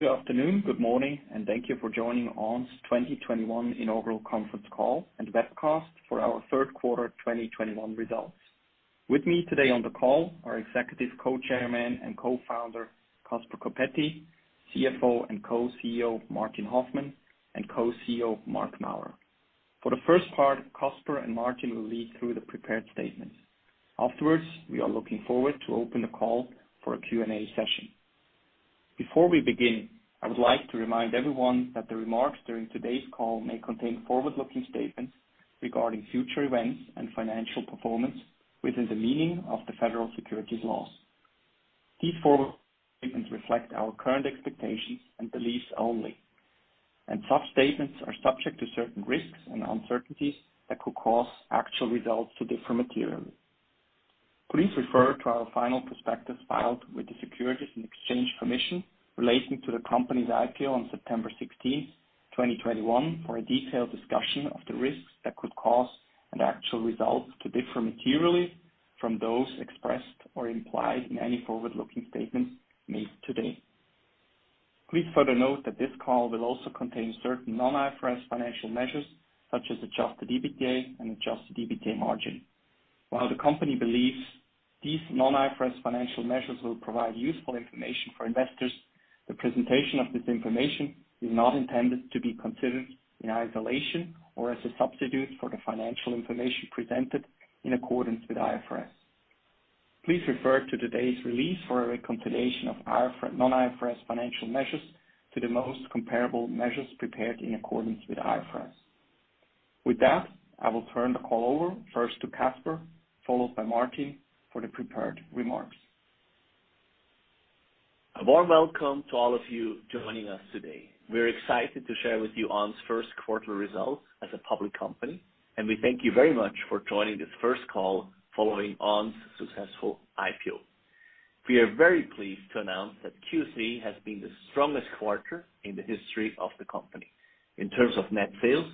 Good afternoon, good morning, and thank you for joining On's 2021 Inaugural Conference Call and Webcast For Our Third Quarter 2021 Results. With me today on the call are Executive Co-Chairman and Co-Founder, Caspar Coppetti, CFO and Co-CEO, Martin Hoffmann, and Co-CEO, Marc Maurer. For the first part, Caspar and Martin will lead through the prepared statements. Afterwards, we are looking forward to open the call for a Q&A session. Before we begin, I would like to remind everyone that the remarks during today's call may contain forward-looking statements regarding future events and financial performance within the meaning of the federal securities laws. These forward statements reflect our current expectations and beliefs only, and such statements are subject to certain risks and uncertainties that could cause actual results to differ materially. Please refer to our final prospectus filed with the SEC relating to the company's IPO on September 16, 2021, for a detailed discussion of the risks that could cause an actual result to differ materially from those expressed or implied in any forward-looking statement made today. Please further note that this call will also contain certain non-IFRS financial measures, such as Adjusted EBITDA and Adjusted EBITDA margin. While the company believes these non-IFRS financial measures will provide useful information for investors, the presentation of this information is not intended to be considered in isolation or as a substitute for the financial information presented in accordance with IFRS. Please refer to today's release for a reconciliation of non-IFRS financial measures to the most comparable measures prepared in accordance with IFRS. With that, I will turn the call over first to Caspar, followed by Martin for the prepared remarks. A warm welcome to all of you joining us today. We're excited to share with you On's first quarterly results as a public company, and we thank you very much for joining this first call following On's successful IPO. We are very pleased to announce that Q3 has been the strongest quarter in the history of the company in terms of net sales,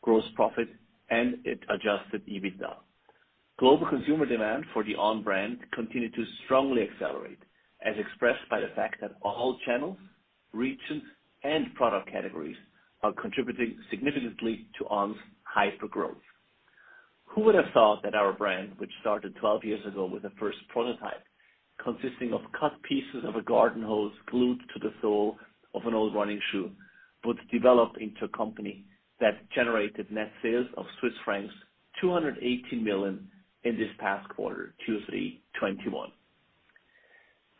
gross profit, and Adjusted EBITDA. Global consumer demand for the On brand continued to strongly accelerate, as expressed by the fact that all channels, regions, and product categories are contributing significantly to On's hyper growth. Who would have thought that our brand, which started 12 years ago with the first prototype consisting of cut pieces of a garden hose glued to the sole of an old running shoe, would develop into a company that generated net sales of Swiss francs 280 million in this past quarter, Q3 2021.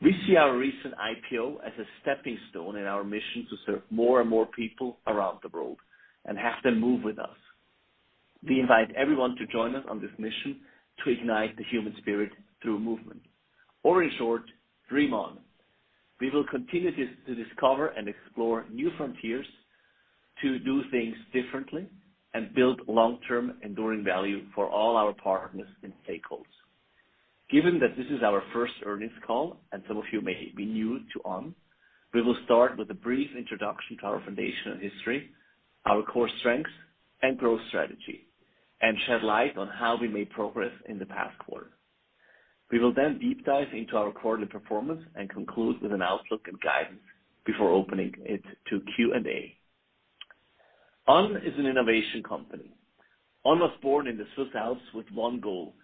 We see our recent IPO as a stepping stone in our mission to serve more and more people around the world and have them move with us. We invite everyone to join us on this mission to ignite the human spirit through movement, or in short, Dream On. We will continue to discover and explore new frontiers to do things differently and build long-term enduring value for all our partners and stakeholders. Given that this is our first earnings call and some of you may be new to On, we will start with a brief introduction to our foundation and history, our core strengths and growth strategy, and shed light on how we made progress in the past quarter. We will then deep dive into our quarterly performance and conclude with an outlook and guidance before opening it to Q&A. On is an innovation company. On was born in the Swiss Alps with one goal,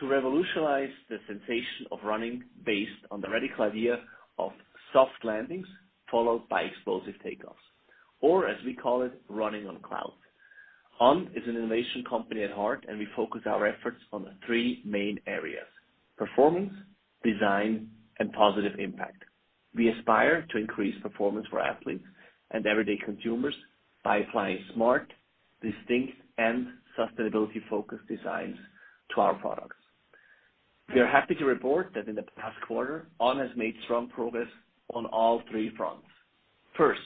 to revolutionize the sensation of running based on the radical idea of soft landings followed by explosive takeoffs, or as we call it, running on clouds. On is an innovation company at heart, and we focus our efforts on the three main areas, performance, design, and positive impact. We aspire to increase performance for athletes and everyday consumers by applying smart, distinct, and sustainability-focused designs to our products. We are happy to report that in the past quarter, On has made strong progress on all three fronts. First,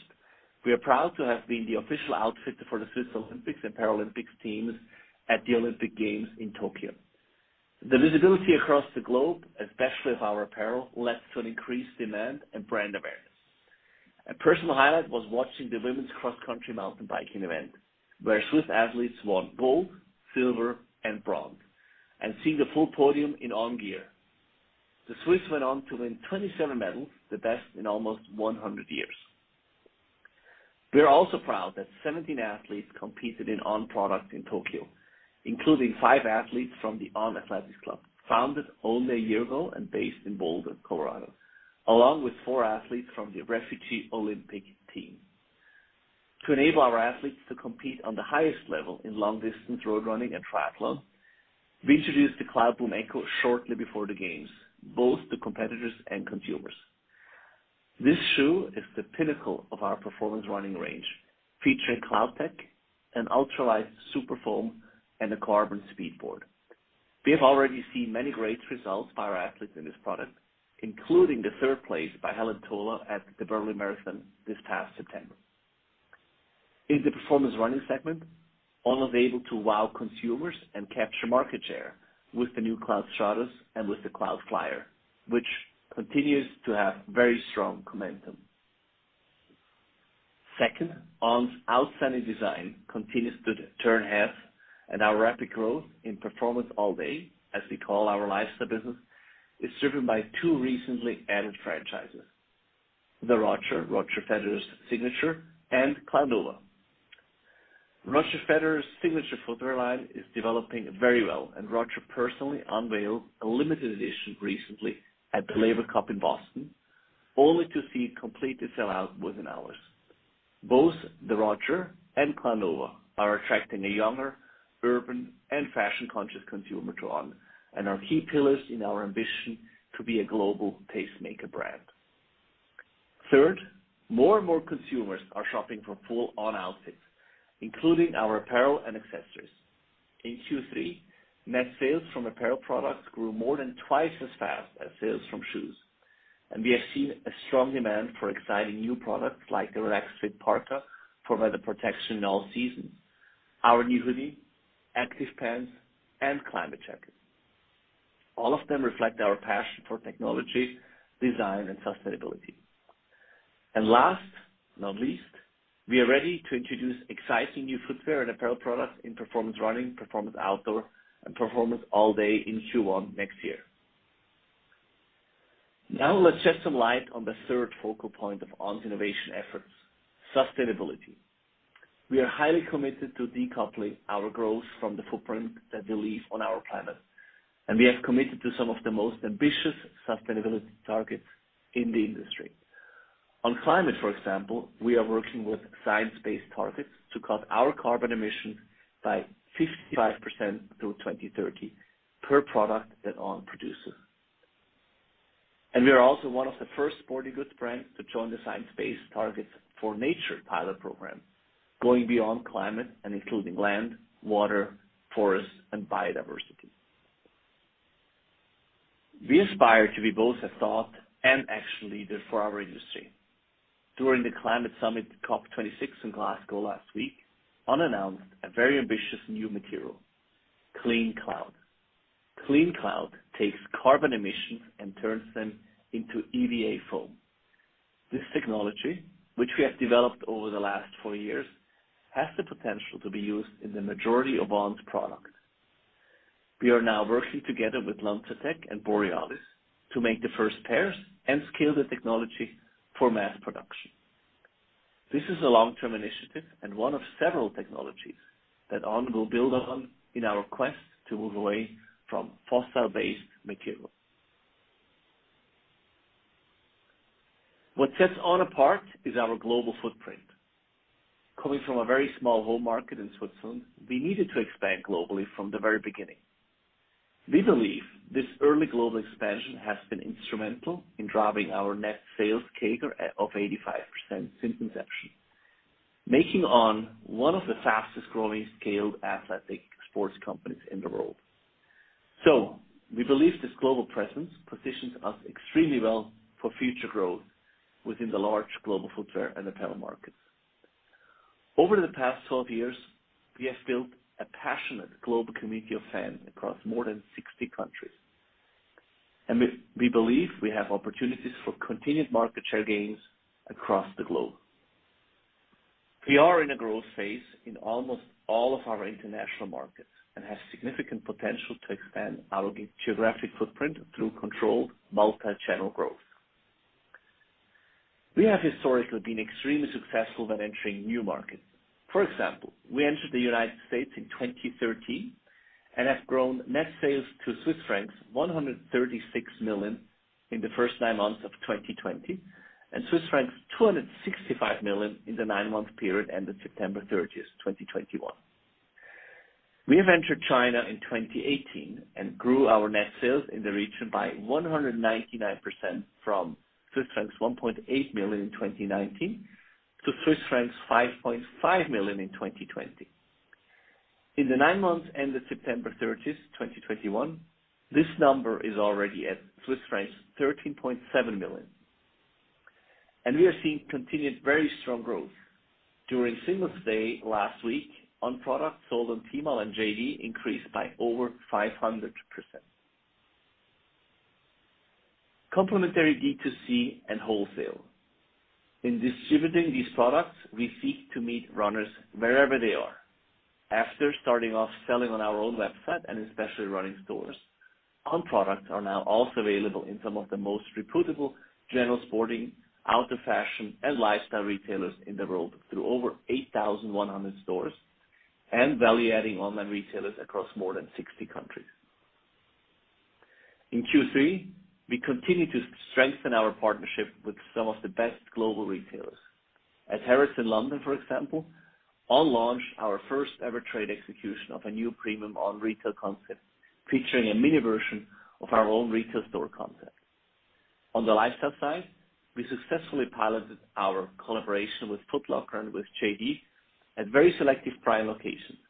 we are proud to have been the official outfitter for the Swiss Olympic and Paralympics teams at the Olympic Games in Tokyo. The visibility across the globe, especially of our apparel, led to an increased demand and brand awareness. A personal highlight was watching the women's cross-country mountain biking event, where Swiss athletes won gold, silver and bronze and seeing a full podium in On gear. The Swiss went on to win 27 medals, the best in almost 100 years. We are also proud that 17 athletes competed in On products in Tokyo, including five athletes from the On Athletics Club, founded only a year ago and based in Boulder, Colorado, along with four athletes from the Refugee Olympic Team. To enable our athletes to compete on the highest level in long distance road running and triathlon, we introduced the Cloudboom Echo shortly before the games, both to competitors and consumers. This shoe is the pinnacle of our performance running range, featuring CloudTec and ultralight Super Foam and a carbon speedboard. We have already seen many great results by our athletes in this product, including the third place by Helen Tola at the Berlin Marathon this past September. In the performance running segment, On was able to wow consumers and capture market share with the new Cloudstratus and with the Cloudflyer, which continues to have very strong momentum. Second, On's outstanding design continues to turn heads and our rapid growth in performance all day, as we call our lifestyle business, is driven by two recently added franchises, The Roger Federer's signature, and Cloudnova. Roger Federer's signature footwear line is developing very well, and Roger personally unveiled a limited edition recently at the Laver Cup in Boston, only to see it completely sell out within hours. Both The Roger and Cloudnova are attracting a younger, urban and fashion-conscious consumer to On and are key pillars in our ambition to be a global tastemaker brand. Third, more and more consumers are shopping for full On outfits, including our apparel and accessories. In Q3, net sales from apparel products grew more than twice as fast as sales from shoes, and we have seen a strong demand for exciting new products like the Relaxed-Fit Parka for weather protection all season, our new hoodie, active pants, and climate jacket. All of them reflect our passion for technology, design, and sustainability. Last but not least, we are ready to introduce exciting new footwear and apparel products in performance running, performance outdoor, and performance all day in Q1 next year. Now let's shed some light on the third focal point of On's innovation efforts: sustainability. We are highly committed to decoupling our growth from the footprint that we leave on our planet, and we have committed to some of the most ambitious sustainability targets in the industry. On climate, for example, we are working with Science Based Targets to cut our carbon emissions by 55% through 2030 per product that On produces. We are also one of the first sporting goods brands to join the Science Based Targets for Nature pilot program, going beyond climate and including land, water, forest, and biodiversity. We aspire to be both a thought and action leader for our industry. During the climate summit, COP26 in Glasgow last week, On announced a very ambitious new material, CleanCloud. CleanCloud takes carbon emissions and turns them into EVA foam. This technology, which we have developed over the last four years, has the potential to be used in the majority of On's products. We are now working together with Lanxess and Borealis to make the first pairs and scale the technology for mass production. This is a long-term initiative and one of several technologies that On will build on in our quest to move away from fossil-based materials. What sets On apart is our global footprint. Coming from a very small home market in Switzerland, we needed to expand globally from the very beginning. We believe this early global expansion has been instrumental in driving our net sales CAGR of 85% since inception, making On one of the fastest growing scaled athletic sports companies in the world. We believe this global presence positions us extremely well for future growth within the large global footwear and apparel markets. Over the past 12 years, we have built a passionate global community of fans across more than 60 countries. We believe we have opportunities for continued market share gains across the globe. We are in a growth phase in almost all of our international markets and have significant potential to expand our geographic footprint through controlled multi-channel growth. We have historically been extremely successful when entering new markets. For example, we entered the United States in 2013 and have grown net sales to Swiss francs 136 million in the first nine months of 2020, and Swiss francs 265 million in the nine-month period ended September 30, 2021. We entered China in 2018 and grew our net sales in the region by 199% from Swiss francs 1.8 million in 2019 to Swiss francs 5.5 million in 2020. In the nine months ended September 30, 2021, this number is already at Swiss francs 13.7 million. We are seeing continued very strong growth. During Singles' Day last week, On products sold on Tmall and JD increased by over 500%. Complementary D2C and wholesale in distributing these products, we seek to meet runners wherever they are. After starting off selling on our own website and in specialty running stores, On products are now also available in some of the most reputable general sporting, outdoor fashion, and lifestyle retailers in the world through over 8,100 stores and value-adding online retailers across more than 60 countries. In Q3, we continued to strengthen our partnership with some of the best global retailers. At Harrison London, for example, On launched our first ever trade execution of a new premium On retail concept, featuring a mini version of our own retail store concept. On the lifestyle side, we successfully piloted our collaboration with Foot Locker and with JD at very selective prime locations.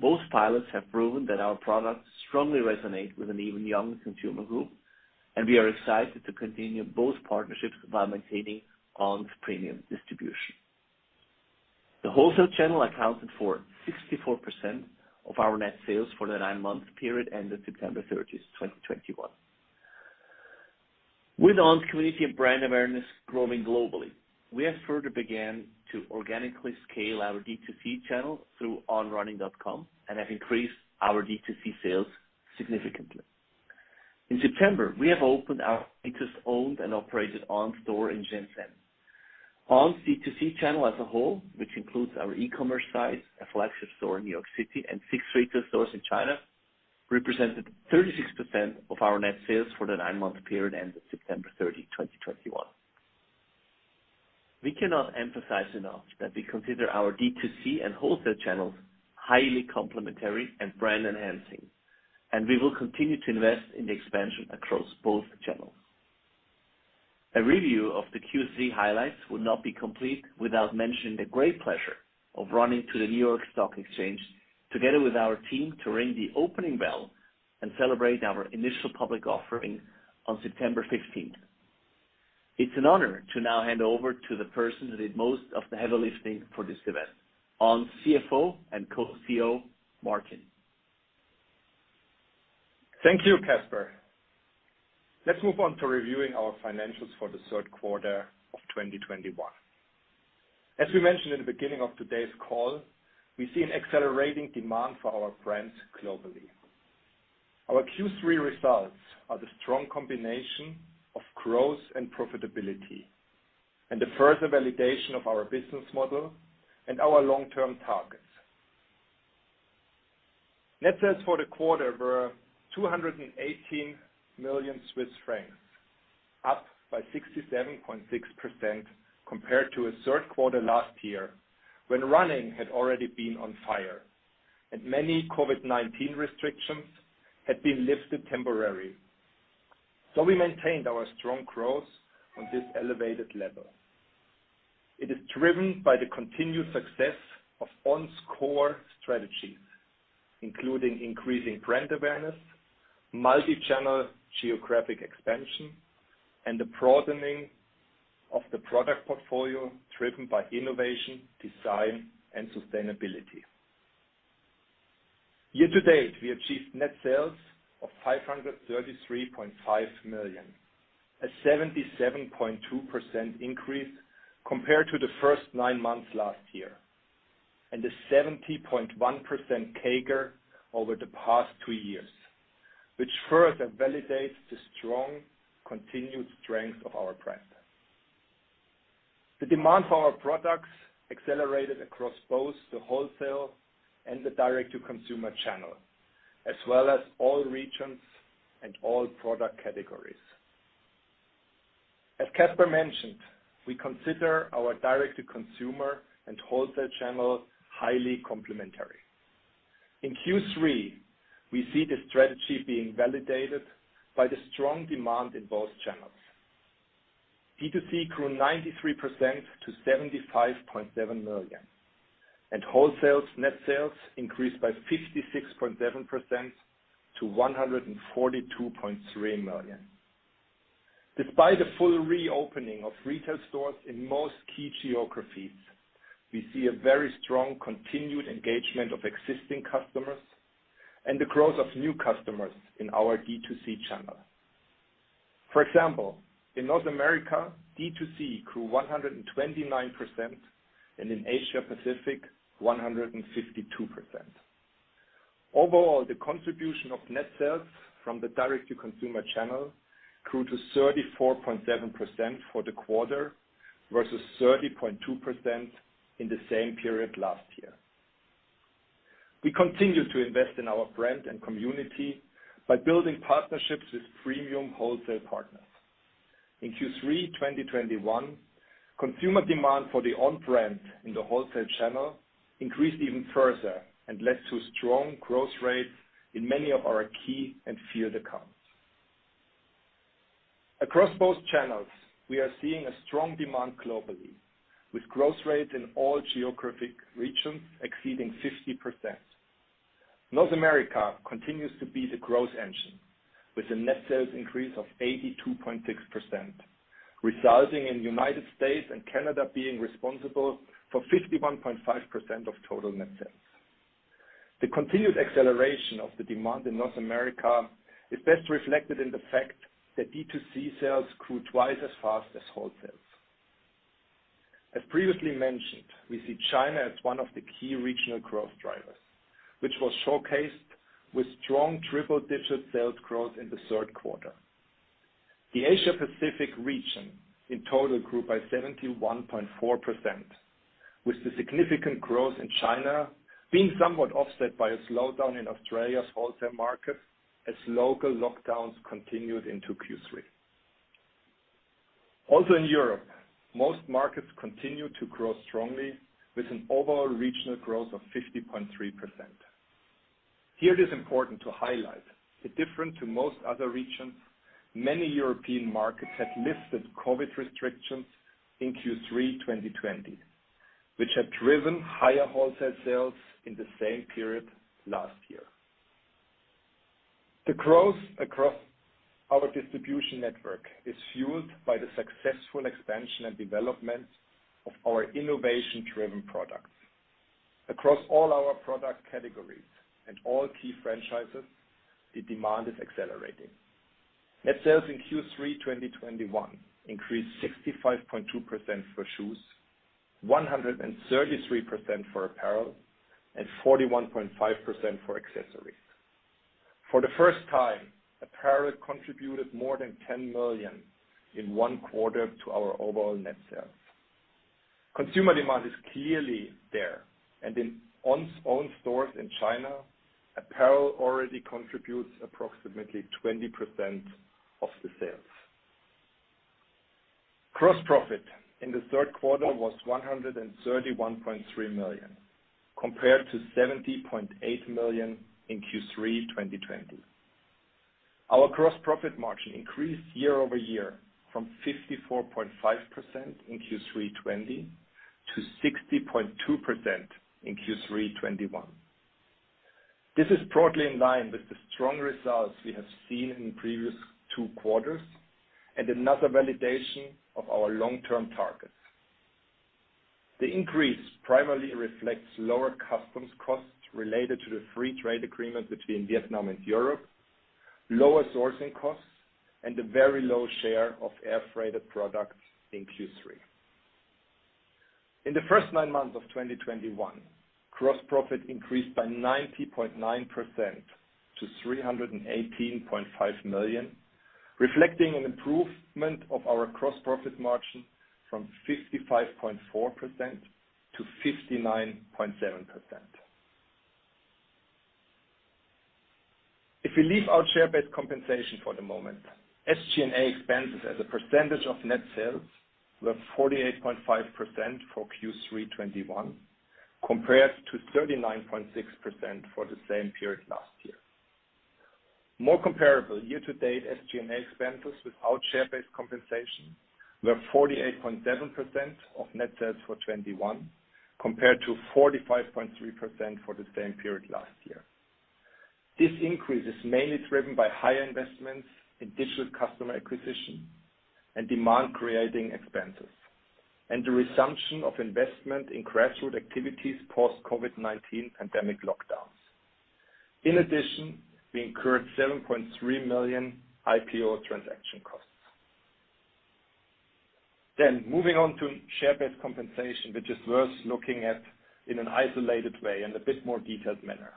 Both pilots have proven that our products strongly resonate with an even younger consumer group, and we are excited to continue both partnerships while maintaining On's premium distribution. The wholesale channel accounted for 64% of our net sales for the nine-month period ended September 30, 2021. With On's community and brand awareness growing globally, we have further began to organically scale our D2C channel through onrunning.com and have increased our D2C sales significantly. In September, we have opened our biggest owned and operated On store in Shenzhen. Our D2C channel as a whole, which includes our e-commerce site, a flagship store in New York City, and six retail stores in China, represented 36% of our net sales for the nine-month period ending September 30, 2021. We cannot emphasize enough that we consider our D2C and wholesale channels highly complementary and brand enhancing, and we will continue to invest in the expansion across both channels. A review of the Q3 highlights would not be complete without mentioning the great pleasure of running to the New York Stock Exchange together with our team to ring the opening bell and celebrate our initial public offering on September 15th. It's an honor to now hand over to the person who did most of the heavy lifting for this event, On's CFO and Co-CEO, Martin. Thank you, Caspar. Let's move on to reviewing our financials for the third quarter of 2021. As we mentioned at the beginning of today's call, we see an accelerating demand for our brands globally. Our Q3 results are the strong combination of growth and profitability and a further validation of our business model and our long-term targets. Net sales for the quarter were 218 million Swiss francs, up by 67.6% compared to the third quarter last year, when running had already been on fire and many COVID-19 restrictions had been lifted temporarily. We maintained our strong growth on this elevated level. It is driven by the continued success of On's core strategies, including increasing brand awareness, multi-channel geographic expansion, and the broadening of the product portfolio driven by innovation, design, and sustainability. Year to date, we achieved net sales of 533.5 million, a 77.2% increase compared to the first nine months last year, and a 70.1% CAGR over the past two years, which further validates the strong continued strength of our brand. The demand for our products accelerated across both the wholesale and the direct-to-consumer channel, as well as all regions and all product categories. As Caspar mentioned, we consider our direct-to-consumer and wholesale channel highly complementary. In Q3, we see the strategy being validated by the strong demand in both channels. D2C grew 93% to 75.7 million, and wholesale net sales increased by 56.7% to 142.3 million. Despite the full reopening of retail stores in most key geographies, we see a very strong continued engagement of existing customers and the growth of new customers in our D2C channel. For example, in North America, D2C grew 129% and in Asia Pacific, 152%. Overall, the contribution of net sales from the direct-to-consumer channel grew to 34.7% for the quarter versus 30.2% in the same period last year. We continue to invest in our brand and community by building partnerships with premium wholesale partners. In Q3 2021, consumer demand for the On brand in the wholesale channel increased even further and led to strong growth rates in many of our key and field accounts. Across both channels, we are seeing a strong demand globally, with growth rates in all geographic regions exceeding 50%. North America continues to be the growth engine with a net sales increase of 82.6%, resulting in United States and Canada being responsible for 51.5% of total net sales. The continued acceleration of the demand in North America is best reflected in the fact that D2C sales grew twice as fast as wholesale. As previously mentioned, we see China as one of the key regional growth drivers, which was showcased with strong triple-digit sales growth in the third quarter. The Asia Pacific region in total grew by 71.4%, with the significant growth in China being somewhat offset by a slowdown in Australia's wholesale market as local lockdowns continued into Q3. Also in Europe, most markets continue to grow strongly with an overall regional growth of 50.3%. Here, it is important to highlight that different from most other regions, many European markets had lifted COVID restrictions in Q3 2020, which had driven higher wholesale sales in the same period last year. The growth across our distribution network is fueled by the successful expansion and development of our innovation-driven products. Across all our product categories and all key franchises, the demand is accelerating. Net sales in Q3 2021 increased 65.2% for shoes, 133% for apparel, and 41.5% for accessories. For the first time, apparel contributed more than 10 million in one quarter to our overall net sales. Consumer demand is clearly there, and in On's own stores in China, apparel already contributes approximately 20% of the sales. Gross profit in the third quarter was 131.3 million, compared to 70.8 million in Q3 2020. Our gross profit margin increased year over year from 54.5% in Q3 2020 to 60.2% in Q3 2021. This is broadly in line with the strong results we have seen in previous two quarters and another validation of our long-term targets. The increase primarily reflects lower customs costs related to the free trade agreement between Vietnam and Europe, lower sourcing costs, and a very low share of air-freighted products in Q3. In the first nine months of 2021, gross profit increased by 90.9% to 318.5 million, reflecting an improvement of our gross profit margin from 55.4% - 59.7%. If we leave our share-based compensation for the moment, SG&A expenses as a percentage of net sales were 48.5% for Q3 2021, compared to 39.6% for the same period last year. More comparable year-to-date SG&A expenses without share-based compensation were 48.7% of net sales for 2021, compared to 45.3% for the same period last year. This increase is mainly driven by higher investments in digital customer acquisition and demand creation expenses, and the resumption of investment in grassroots activities post COVID-19 pandemic lockdowns. In addition, we incurred 7.3 million IPO transaction costs. Moving on to share-based compensation, which is worth looking at in an isolated way, in a bit more detailed manner.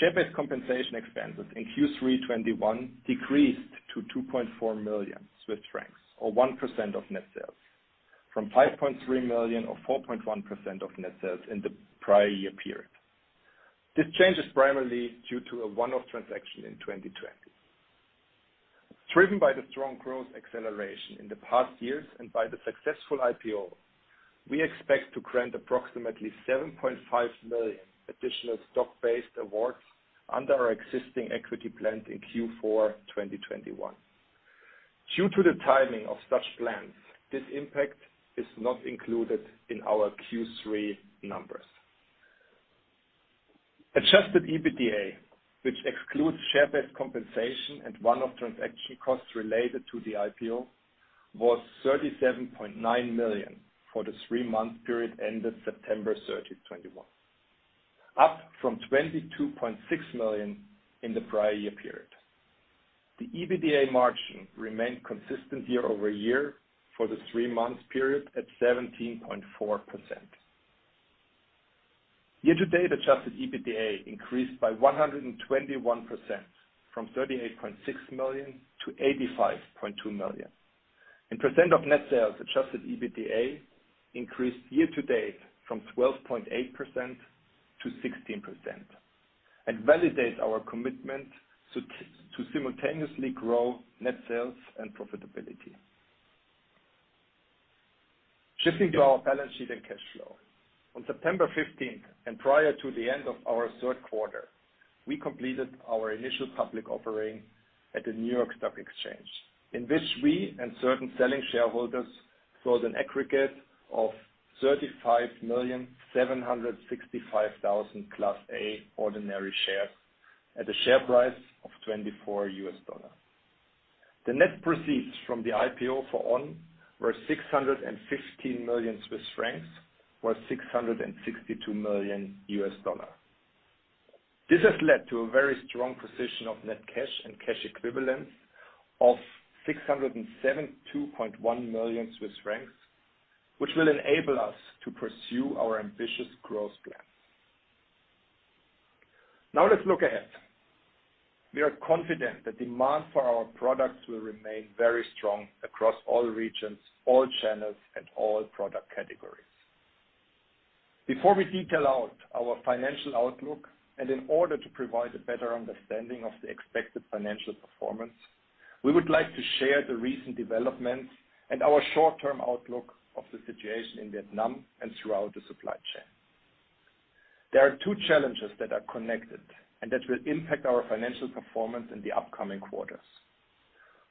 Share-based compensation expenses in Q3 2021 decreased to 2.4 million Swiss francs, or 1% of net sales, from 5.3 million or 4.1% of net sales in the prior year period. This change is primarily due to a one-off transaction in 2020. Driven by the strong growth acceleration in the past years and by the successful IPO, we expect to grant approximately 7.5 million additional stock-based awards under our existing equity plan in Q4 2021. Due to the timing of such plans, this impact is not included in our Q3 numbers. Adjusted EBITDA, which excludes share-based compensation and one-off transaction costs related to the IPO, was 37.9 million for the three-month period ended September 30, 2021, up from 22.6 million in the prior year period. The EBITDA margin remained consistent YoY for the three-month period at 17.4%. Year to date, Adjusted EBITDA increased by 121% from 38.6 million to 85.2 million. As a percent of net sales, Adjusted EBITDA increased year to date from 12.8% to 16% and validates our commitment to simultaneously grow net sales and profitability. Shifting to our balance sheet and cash flow. On September 15th, and prior to the end of our third quarter, we completed our initial public offering at the New York Stock Exchange, in which we and certain selling shareholders sold an aggregate of 35,765,000 Class A ordinary shares at a share price of $24. The net proceeds from the IPO for On were 616 million Swiss francs or $662 million. This has led to a very strong position of net cash and cash equivalents of 672.1 million Swiss francs, which will enable us to pursue our ambitious growth plans. Now let's look ahead. We are confident that demand for our products will remain very strong across all regions, all channels, and all product categories. Before we detail out our financial outlook, and in order to provide a better understanding of the expected financial performance, we would like to share the recent developments and our short-term outlook of the situation in Vietnam and throughout the supply chain. There are two challenges that are connected and that will impact our financial performance in the upcoming quarters.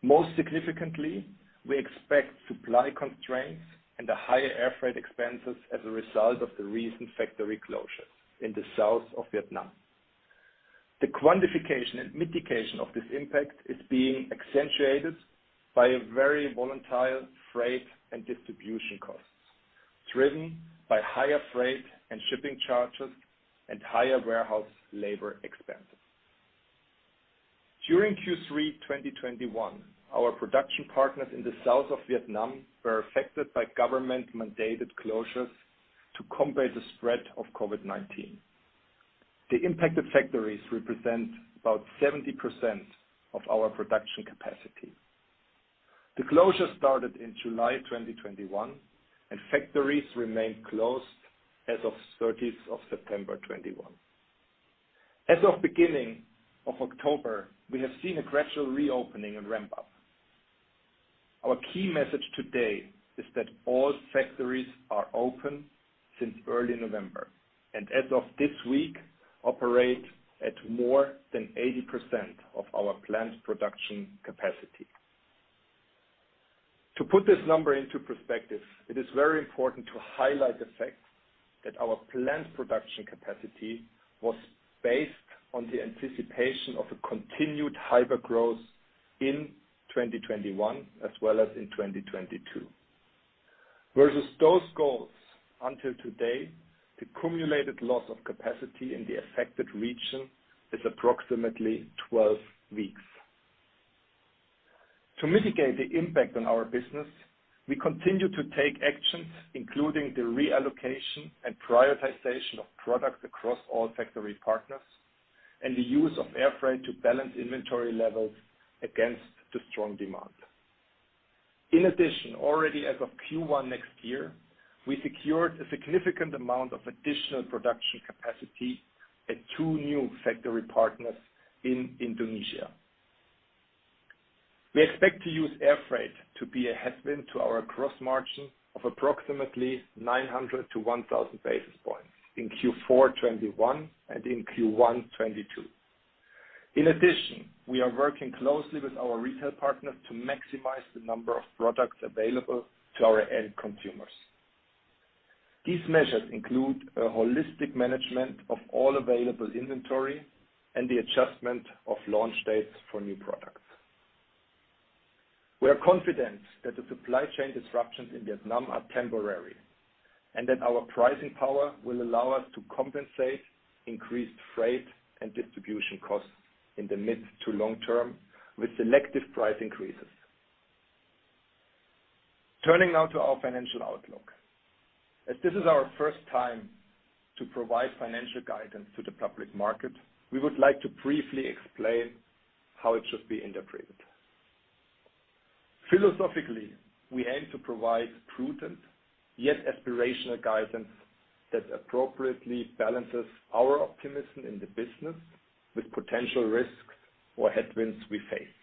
Most significantly, we expect supply constraints and the higher air freight expenses as a result of the recent factory closures in the south of Vietnam. The quantification and mitigation of this impact is being accentuated by a very volatile freight and distribution costs, driven by higher freight and shipping charges and higher warehouse labor expenses. During Q3 2021, our production partners in the south of Vietnam were affected by government-mandated closures to combat the spread of COVID-19. The impacted factories represent about 70% of our production capacity. The closure started in July 2021, and factories remained closed as of 30th of September 2021. As of beginning of October, we have seen a gradual reopening and ramp up. Our key message today is that all factories are open since early November, and as of this week, operate at more than 80% of our planned production capacity. To put this number into perspective, it is very important to highlight the fact that our planned production capacity was based on the anticipation of a continued hypergrowth in 2021 as well as in 2022. Versus those goals until today, the cumulative loss of capacity in the affected region is approximately 12 weeks. To mitigate the impact on our business, we continue to take actions, including the reallocation and prioritization of products across all factory partners and the use of air freight to balance inventory levels against the strong demand. In addition, already as of Q1 next year, we secured a significant amount of additional production capacity at two new factory partners in Indonesia. We expect to use air freight to be a headwind to our gross margin of approximately 900 basis points - 1,000 basis points in Q4 2021 and in Q1 2022. In addition, we are working closely with our retail partners to maximize the number of products available to our end consumers. These measures include a holistic management of all available inventory and the adjustment of launch dates for new products. We are confident that the supply chain disruptions in Vietnam are temporary and that our pricing power will allow us to compensate increased freight and distribution costs in the mid to long term with selective price increases. Turning now to our financial outlook. As this is our first time to provide financial guidance to the public market, we would like to briefly explain how it should be interpreted. Philosophically, we aim to provide prudent, yet aspirational guidance that appropriately balances our optimism in the business with potential risks or headwinds we face.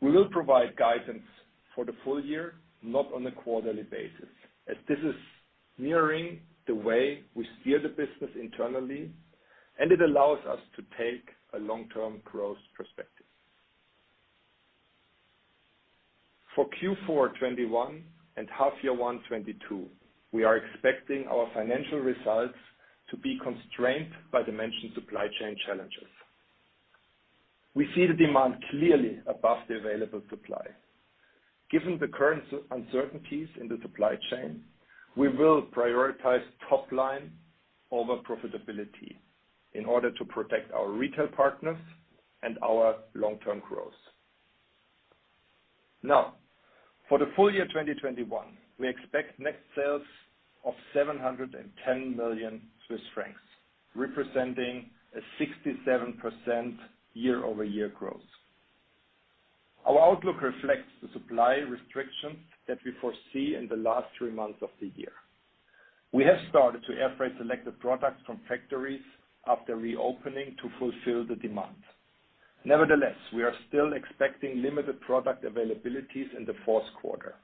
We will provide guidance for the full year, not on a quarterly basis, as this is mirroring the way we steer the business internally, and it allows us to take a long-term growth perspective. For Q4 2021 and H1 2022, we are expecting our financial results to be constrained by the mentioned supply chain challenges. We see the demand clearly above the available supply. Given the current uncertainties in the supply chain, we will prioritize top line over profitability in order to protect our retail partners and our long-term growth. Now, for the full year 2021, we expect net sales of 710 million Swiss francs, representing 67% YoY growth. Our outlook reflects the supply restrictions that we foresee in the last three months of the year. We have started to air freight selected products from factories after reopening to fulfill the demand. Nevertheless, we are still expecting limited product availabilities in the fourth quarter.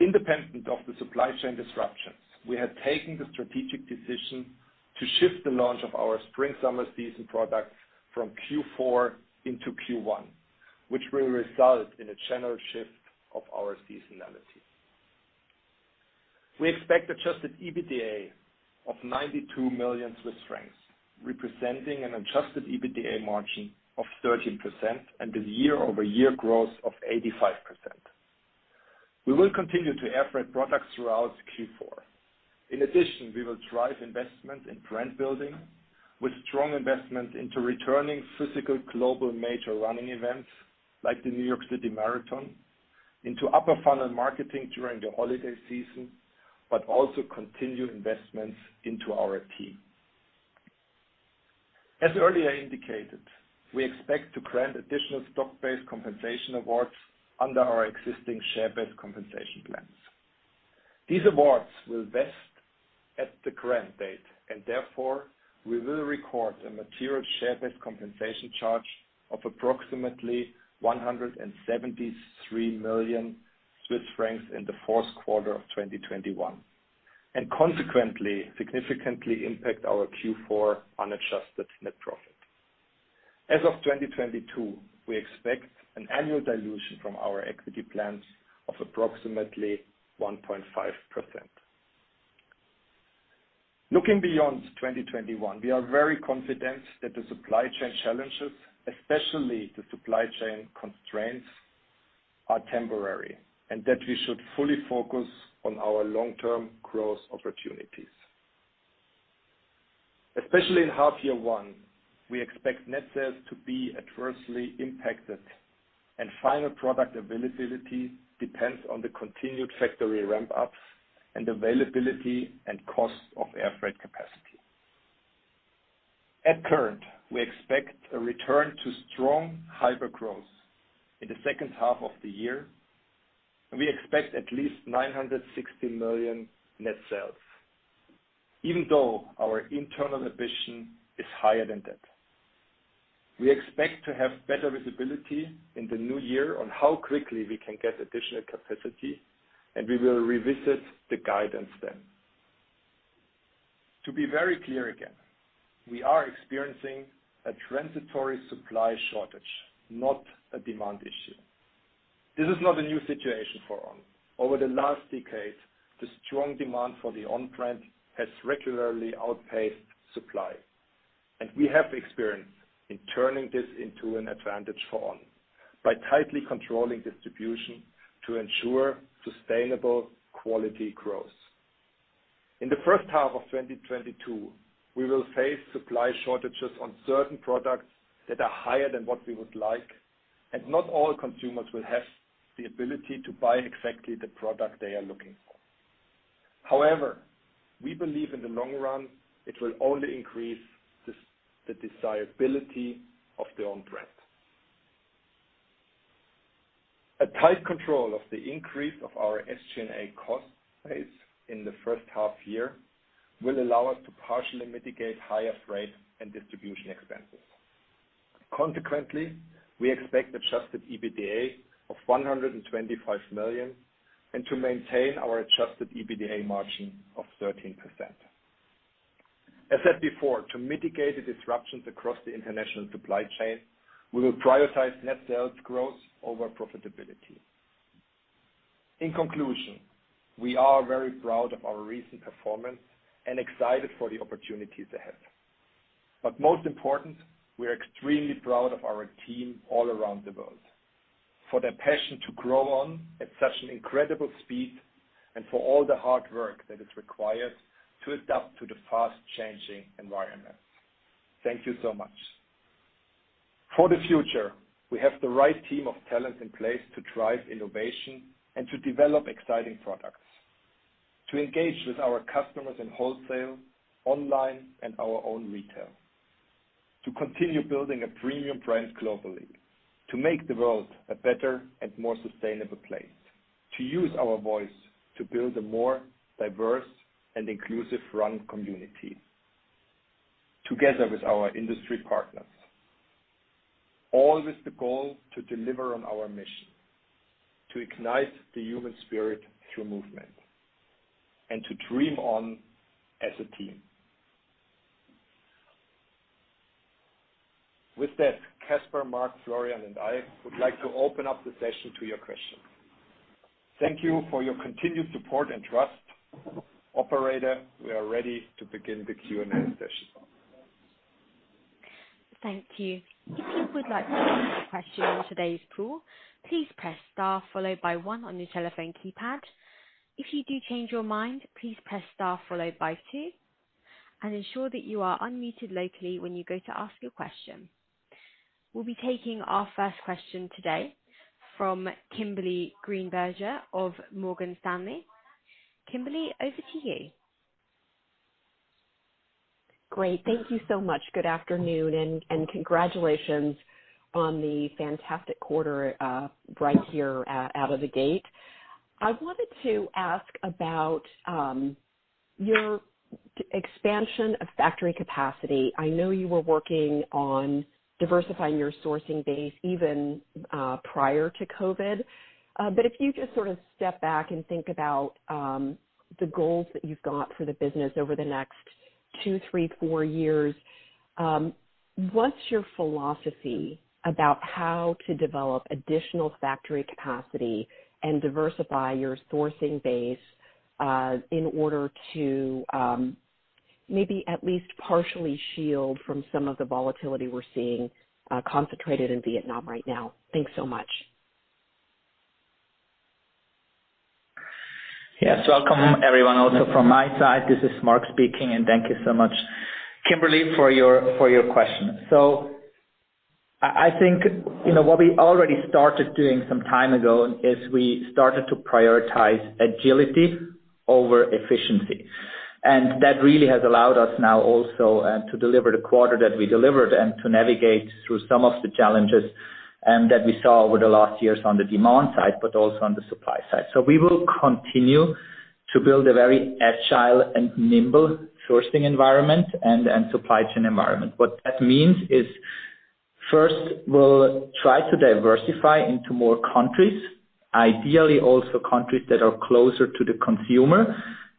Independent of the supply chain disruptions, we have taken the strategic decision to shift the launch of our spring/summer season products from Q4 into Q1, which will result in a general shift of our seasonality. We expect Adjusted EBITDA of 92 million Swiss francs, representing an Adjusted EBITDA margin of 13% and a YoY growth of 85%. We will continue to air freight products throughout Q4. In addition, we will drive investment in brand building with strong investment into returning physical global major running events, like the New York City Marathon, into upper funnel marketing during the holiday season, but also continue investments into our team. As earlier indicated, we expect to grant additional stock-based compensation awards under our existing share-based compensation plans. These awards will vest at the grant date and therefore, we will record a material share-based compensation charge of approximately 173 million Swiss francs in the fourth quarter of 2021, and consequently, significantly impact our Q4 unadjusted net profit. As of 2022, we expect an annual dilution from our equity plans of approximately 1.5%. Looking beyond 2021, we are very confident that the supply chain challenges, especially the supply chain constraints, are temporary, and that we should fully focus on our long-term growth opportunities. Especially in H1, we expect net sales to be adversely impacted and final product availability depends on the continued factory ramp-ups and availability and cost of air freight capacity. Currently, we expect a return to strong hypergrowth in the second half of the year, and we expect at least 960 million net sales, even though our internal ambition is higher than that. We expect to have better visibility in the new year on how quickly we can get additional capacity, and we will revisit the guidance then. To be very clear again, we are experiencing a transitory supply shortage, not a demand issue. This is not a new situation for On. Over the last decade, the strong demand for the On brand has regularly outpaced supply, and we have experience in turning this into an advantage for On by tightly controlling distribution to ensure sustainable quality growth. In the first half of 2022, we will face supply shortages on certain products that are higher than what we would like, and not all consumers will have the ability to buy exactly the product they are looking for. However, we believe in the long run, it will only increase this, the desirability of the On brand. A tight control of the increase of our SG&A cost base in the first half year will allow us to partially mitigate higher freight and distribution expenses. Consequently, we expect Adjusted EBITDA of 125 million and to maintain our Adjusted EBITDA margin of 13%. As said before, to mitigate the disruptions across the international supply chain, we will prioritize net sales growth over profitability. In conclusion, we are very proud of our recent performance and excited for the opportunities ahead. Most important, we are extremely proud of our team all around the world for their passion to grow On at such an incredible speed and for all the hard work that is required to adapt to the fast-changing environment. Thank you so much. For the future, we have the right team of talent in place to drive innovation and to develop exciting products, to engage with our customers in wholesale, online, and our own retail, to continue building a premium brand globally, to make the world a better and more sustainable place, to use our voice to build a more diverse and inclusive run community together with our industry partners, all with the goal to deliver on our mission, to ignite the human spirit through movement and to dream On as a team. With that, Caspar, Marc, Florian, and I would like to open up the session to your questions. Thank you for your continued support and trust. Operator, we are ready to begin the Q&A session. Thank you. If you would like to ask a question on today's call, please press star followed by one on your telephone keypad. If you do change your mind, please press star followed by two and ensure that you are unmuted locally when you go to ask your question. We'll be taking our first question today from Kimberly Greenberger of Morgan Stanley. Kimberly, over to you. Great. Thank you so much. Good afternoon and congratulations on the fantastic quarter, right here, out of the gate. I wanted to ask about your expansion of factory capacity. I know you were working on diversifying your sourcing base even prior to COVID. If you just sort of step back and think about the goals that you've got for the business over the next two, three, four years, what's your philosophy about how to develop additional factory capacity and diversify your sourcing base in order to maybe at least partially shield from some of the volatility we're seeing concentrated in Vietnam right now? Thanks so much. Yes, welcome everyone also from my side. This is Marc Maurer speaking, and thank you so much, Kimberly, for your question. I think, you know, what we already started doing some time ago is we started to prioritize agility over efficiency. That really has allowed us now also to deliver the quarter that we delivered and to navigate through some of the challenges that we saw over the last years on the demand side, but also on the supply side. We will continue to build a very agile and nimble sourcing environment and supply chain environment. What that means is, first, we'll try to diversify into more countries. Ideally also countries that are closer to the consumer,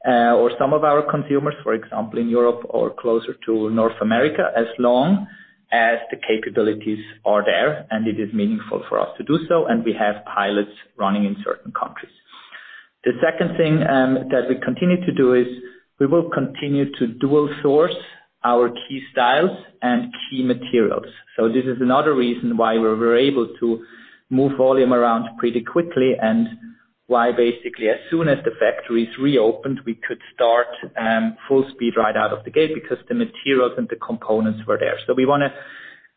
or some of our consumers, for example, in Europe or closer to North America, as long as the capabilities are there and it is meaningful for us to do so, and we have pilots running in certain countries. The second thing that we continue to do is we will continue to dual source our key styles and key materials. This is another reason why we were able to move volume around pretty quickly and why basically as soon as the factories reopened, we could start full speed right out of the gate because the materials and the components were there. We wanna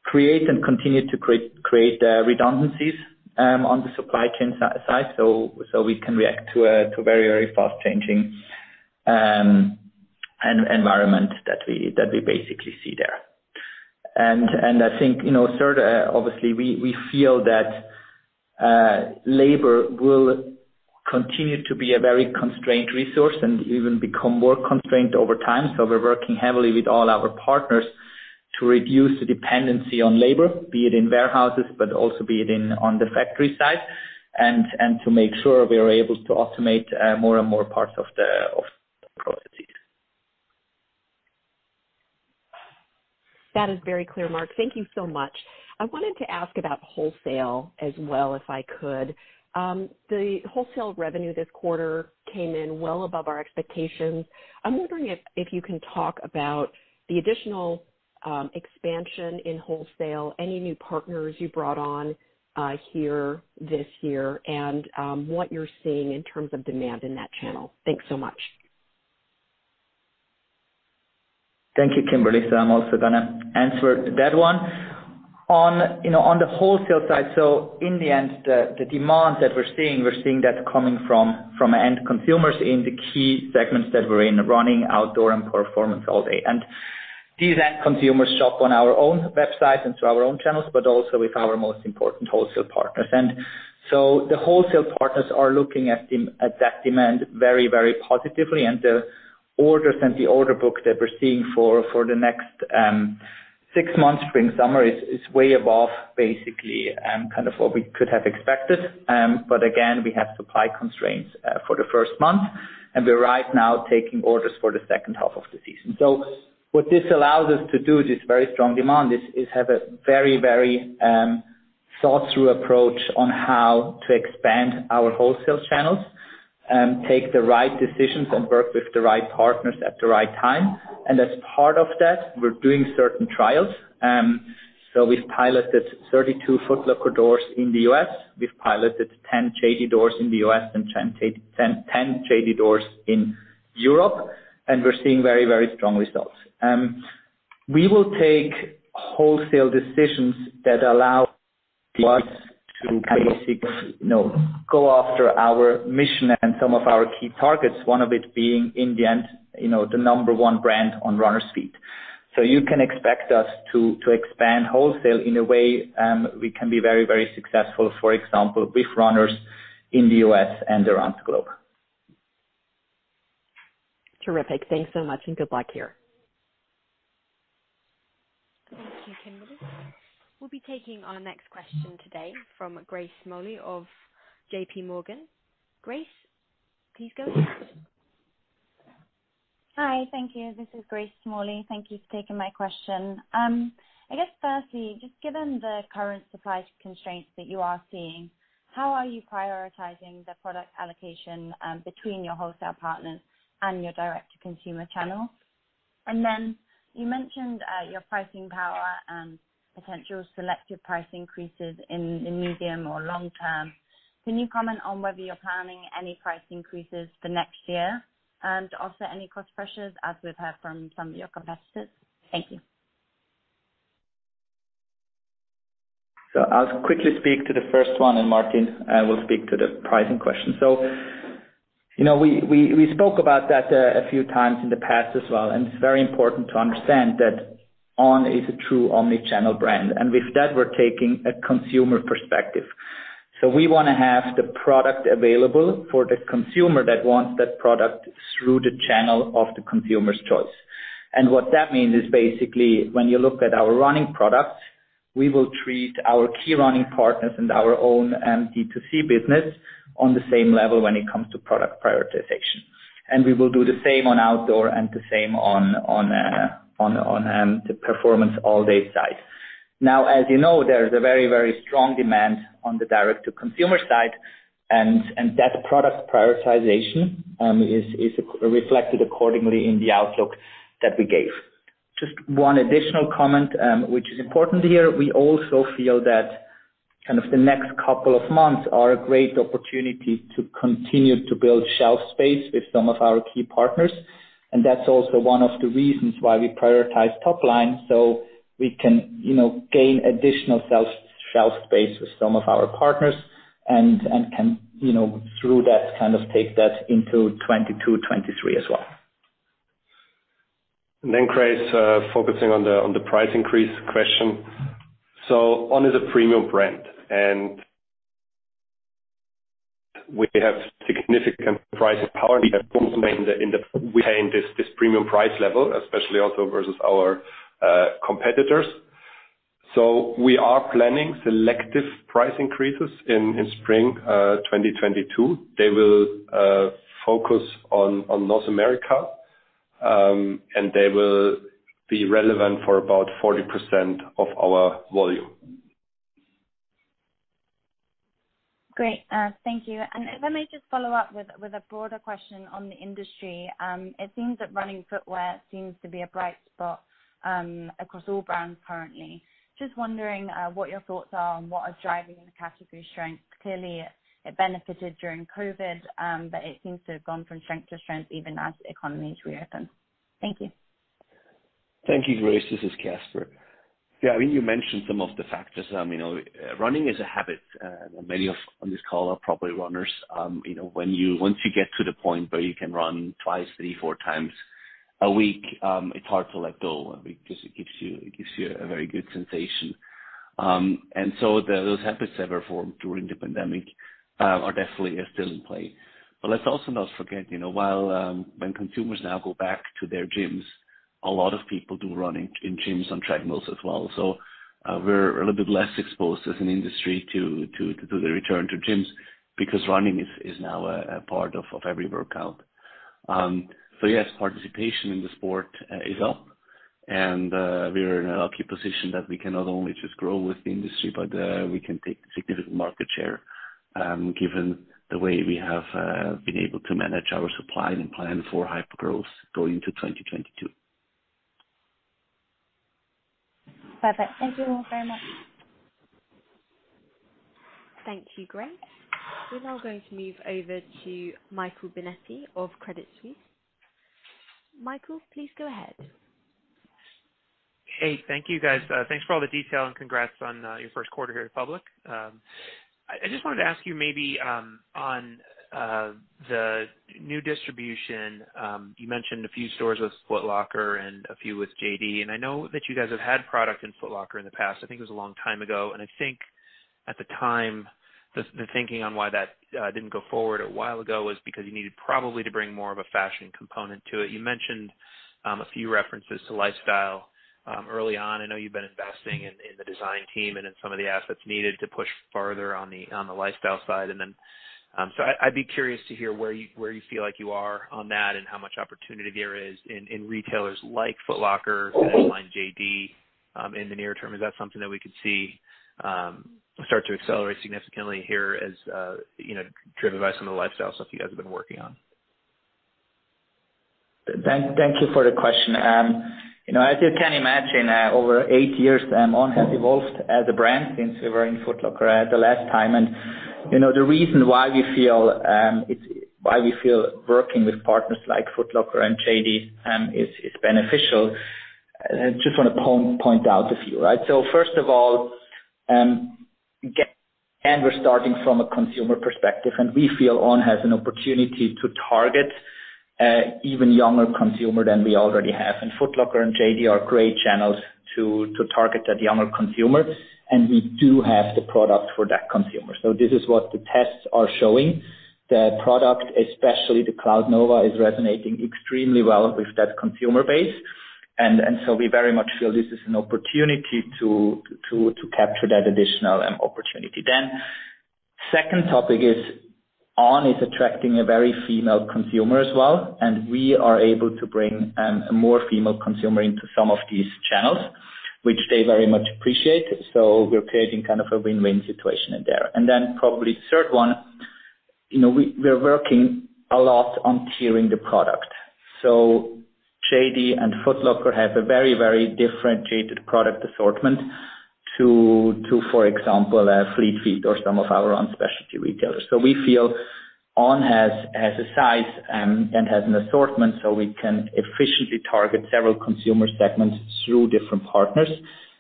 create and continue to create redundancies on the supply chain side, so we can react to very, very fast changing environment that we basically see there. I think, you know, third, obviously, we feel that labor will continue to be a very constrained resource and even become more constrained over time. We're working heavily with all our partners to reduce the dependency on labor, be it in warehouses, but also be it on the factory side and to make sure we are able to automate more and more parts of the processes. That is very clear, Marc. Thank you so much. I wanted to ask about wholesale as well, if I could. The wholesale revenue this quarter came in well above our expectations. I'm wondering if you can talk about the additional expansion in wholesale, any new partners you brought on here this year and what you're seeing in terms of demand in that channel. Thanks so much. Thank you, Kimberly. I'm also gonna answer that one. On, you know, on the wholesale side, so in the end, the demand that we're seeing, we're seeing that coming from end consumers in the key segments that we're in, running outdoor and performance all day. These end consumers shop on our own website and through our own channels, but also with our most important wholesale partners. The wholesale partners are looking at that demand very, very positively. The orders and the order book that we're seeing for the next six months, spring, summer is way above basically kind of what we could have expected. Again, we have supply constraints for the first month, and we're right now taking orders for the second half of the season. What this allows us to do with this very strong demand is have a very, very, thought through approach on how to expand our wholesale channels, take the right decisions and work with the right partners at the right time. As part of that, we're doing certain trials. We've piloted 32 Foot Locker doors in the U.S. We've piloted 10 JD doors in the U.S. and 10 JD doors in Europe, and we're seeing very, very strong results. We will take wholesale decisions that allow us to basically, you know, go after our mission and some of our key targets, one of it being in the end, you know, the number one brand on runner's feet. You can expect us to expand wholesale in a way we can be very successful, for example, with runners in the U.S. and around the globe. Terrific. Thanks so much and good luck here. Thank you, Kimberly. We'll be taking our next question today from Grace Smalley of Morgan Stanley. Grace, please go ahead. Hi. Thank you. This is Grace Smalley. Thank you for taking my question. I guess firstly, just given the current supply constraints that you are seeing, how are you prioritizing the product allocation between your wholesale partners and your direct to consumer channels? You mentioned your pricing power and potential selective price increases in the medium or long term. Can you comment on whether you're planning any price increases for next year and also any cost pressures as we've heard from some of your competitors? Thank you. I'll quickly speak to the first one, and Martin will speak to the pricing question. You know, we spoke about that a few times in the past as well, and it's very important to understand that On is a true omni-channel brand. With that, we're taking a consumer perspective. We wanna have the product available for the consumer that wants that product through the channel of the consumer's choice. What that means is basically when you look at our running products, we will treat our key running partners and our own D2C business on the same level when it comes to product prioritization. We will do the same on outdoor and the same on the performance all day side. Now, as you know, there's a very, very strong demand on the direct to consumer side, and that product prioritization is reflected accordingly in the outlook that we gave. Just one additional comment, which is important here. We also feel that kind of the next couple of months are a great opportunity to continue to build shelf space with some of our key partners, and that's also one of the reasons why we prioritize top line, so we can, you know, gain additional shelf space with some of our key partners and can, you know, through that kind of take that into 2022, 2023 as well. Grace, focusing on the price increase question. On is a premium brand, and we have significant pricing power. We have also made it in this premium price level, especially also versus our competitors. We are planning selective price increases in spring 2022. They will focus on North America, and they will be relevant for about 40% of our volume. Great. Thank you. If I may just follow up with a broader question on the industry. It seems that running footwear seems to be a bright spot across all brands currently. Just wondering what your thoughts are on what is driving the category strength. Clearly it benefited during COVID, but it seems to have gone from strength to strength even as economies reopen. Thank you. Thank you, Grace. This is Caspar. Yeah, I mean, you mentioned some of the factors. You know, running is a habit, and many of On this call are probably runners. You know, once you get to the point where you can run twice, three, four times a week, it's hard to let go because it gives you a very good sensation. Those habits that were formed during the pandemic are definitely still in play. Let's also not forget, you know, while, when consumers now go back to their gyms, a lot of people do running in gyms on treadmills as well. We're a little bit less exposed as an industry to the return to gyms because running is now a part of every workout. Yes, participation in the sport is up and we are in a lucky position that we can not only just grow with the industry but we can take significant market share, given the way we have been able to manage our supply and plan for hypergrowth going into 2022. Perfect. Thank you all very much. Thank you, Grace. We're now going to move over to Michael Binetti of Credit Suisse. Michael, please go ahead. Hey, thank you guys. Thanks for all the detail and congrats on your first quarter here at public. I just wanted to ask you maybe on the new distribution. You mentioned a few stores with Foot Locker and a few with JD, and I know that you guys have had product in Foot Locker in the past. I think it was a long time ago, and I think at the time the thinking on why that didn't go forward a while ago was because you needed probably to bring more of a fashion component to it. You mentioned a few references to lifestyle early on. I know you've been investing in the design team and in some of the assets needed to push farther on the lifestyle side. I'd be curious to hear where you feel like you are on that and how much opportunity there is in retailers like Foot Locker and JD in the near term. Is that something that we could see start to accelerate significantly here as you know, driven by some of the lifestyle stuff you guys have been working on? Thank you for the question. You know, as you can imagine, over eight years, On has evolved as a brand since we were in Foot Locker at the last time. You know, the reason why we feel working with partners like Foot Locker and JD is beneficial. Just want to point out a few, right? First of all, we're starting from a consumer perspective, and we feel On has an opportunity to target even younger consumer than we already have. Foot Locker and JD are great channels to target that younger consumer, and we do have the product for that consumer. This is what the tests are showing. The product, especially the Cloudnova, is resonating extremely well with that consumer base. We very much feel this is an opportunity to capture that additional opportunity. Second topic is On is attracting a very female consumer as well, and we are able to bring a more female consumer into some of these channels, which they very much appreciate. We're creating kind of a win-win situation in there. Probably third one, you know, we're working a lot on tiering the product. JD and Foot Locker have a very differentiated product assortment to, for example, Fleet Feet or some of our own specialty retailers. We feel On has a size and has an assortment, so we can efficiently target several consumer segments through different partners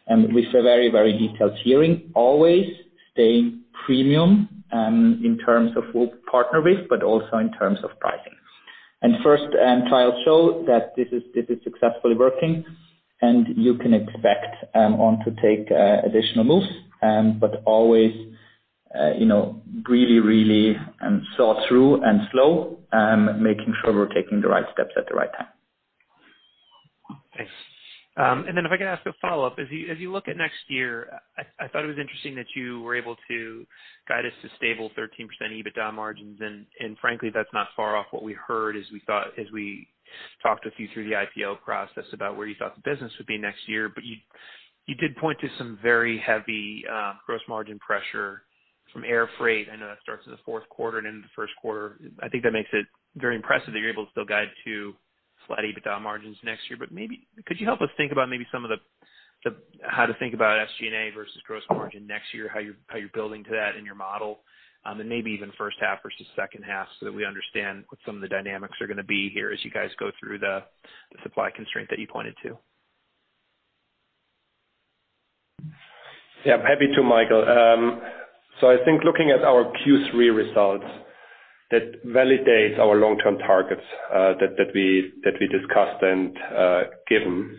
with a very, very detailed tiering, always staying premium in terms of who we partner with, but also in terms of pricing. First trials show that this is successfully working and you can expect On to take additional moves but always you know really, really thought through and slow making sure we're taking the right steps at the right time. Thanks. If I could ask a follow-up. As you look at next year, I thought it was interesting that you were able to guide us to stable 13% EBITDA margins. Frankly, that's not far off what we heard as we talked with you through the IPO process about where you thought the business would be next year. You did point to some very heavy gross margin pressure from air freight. I know that starts in the fourth quarter and into the first quarter. I think that makes it very impressive that you're able to still guide to flat EBITDA margins next year. Maybe could you help us think about maybe some of the how to think about SG&A versus gross margin next year? How you're building to that in your model, and maybe even first half versus second half so that we understand what some of the dynamics are gonna be here as you guys go through the supply constraint that you pointed to? Yeah, happy to, Michael. So I think looking at our Q3 results, that validates our long-term targets that we discussed and given.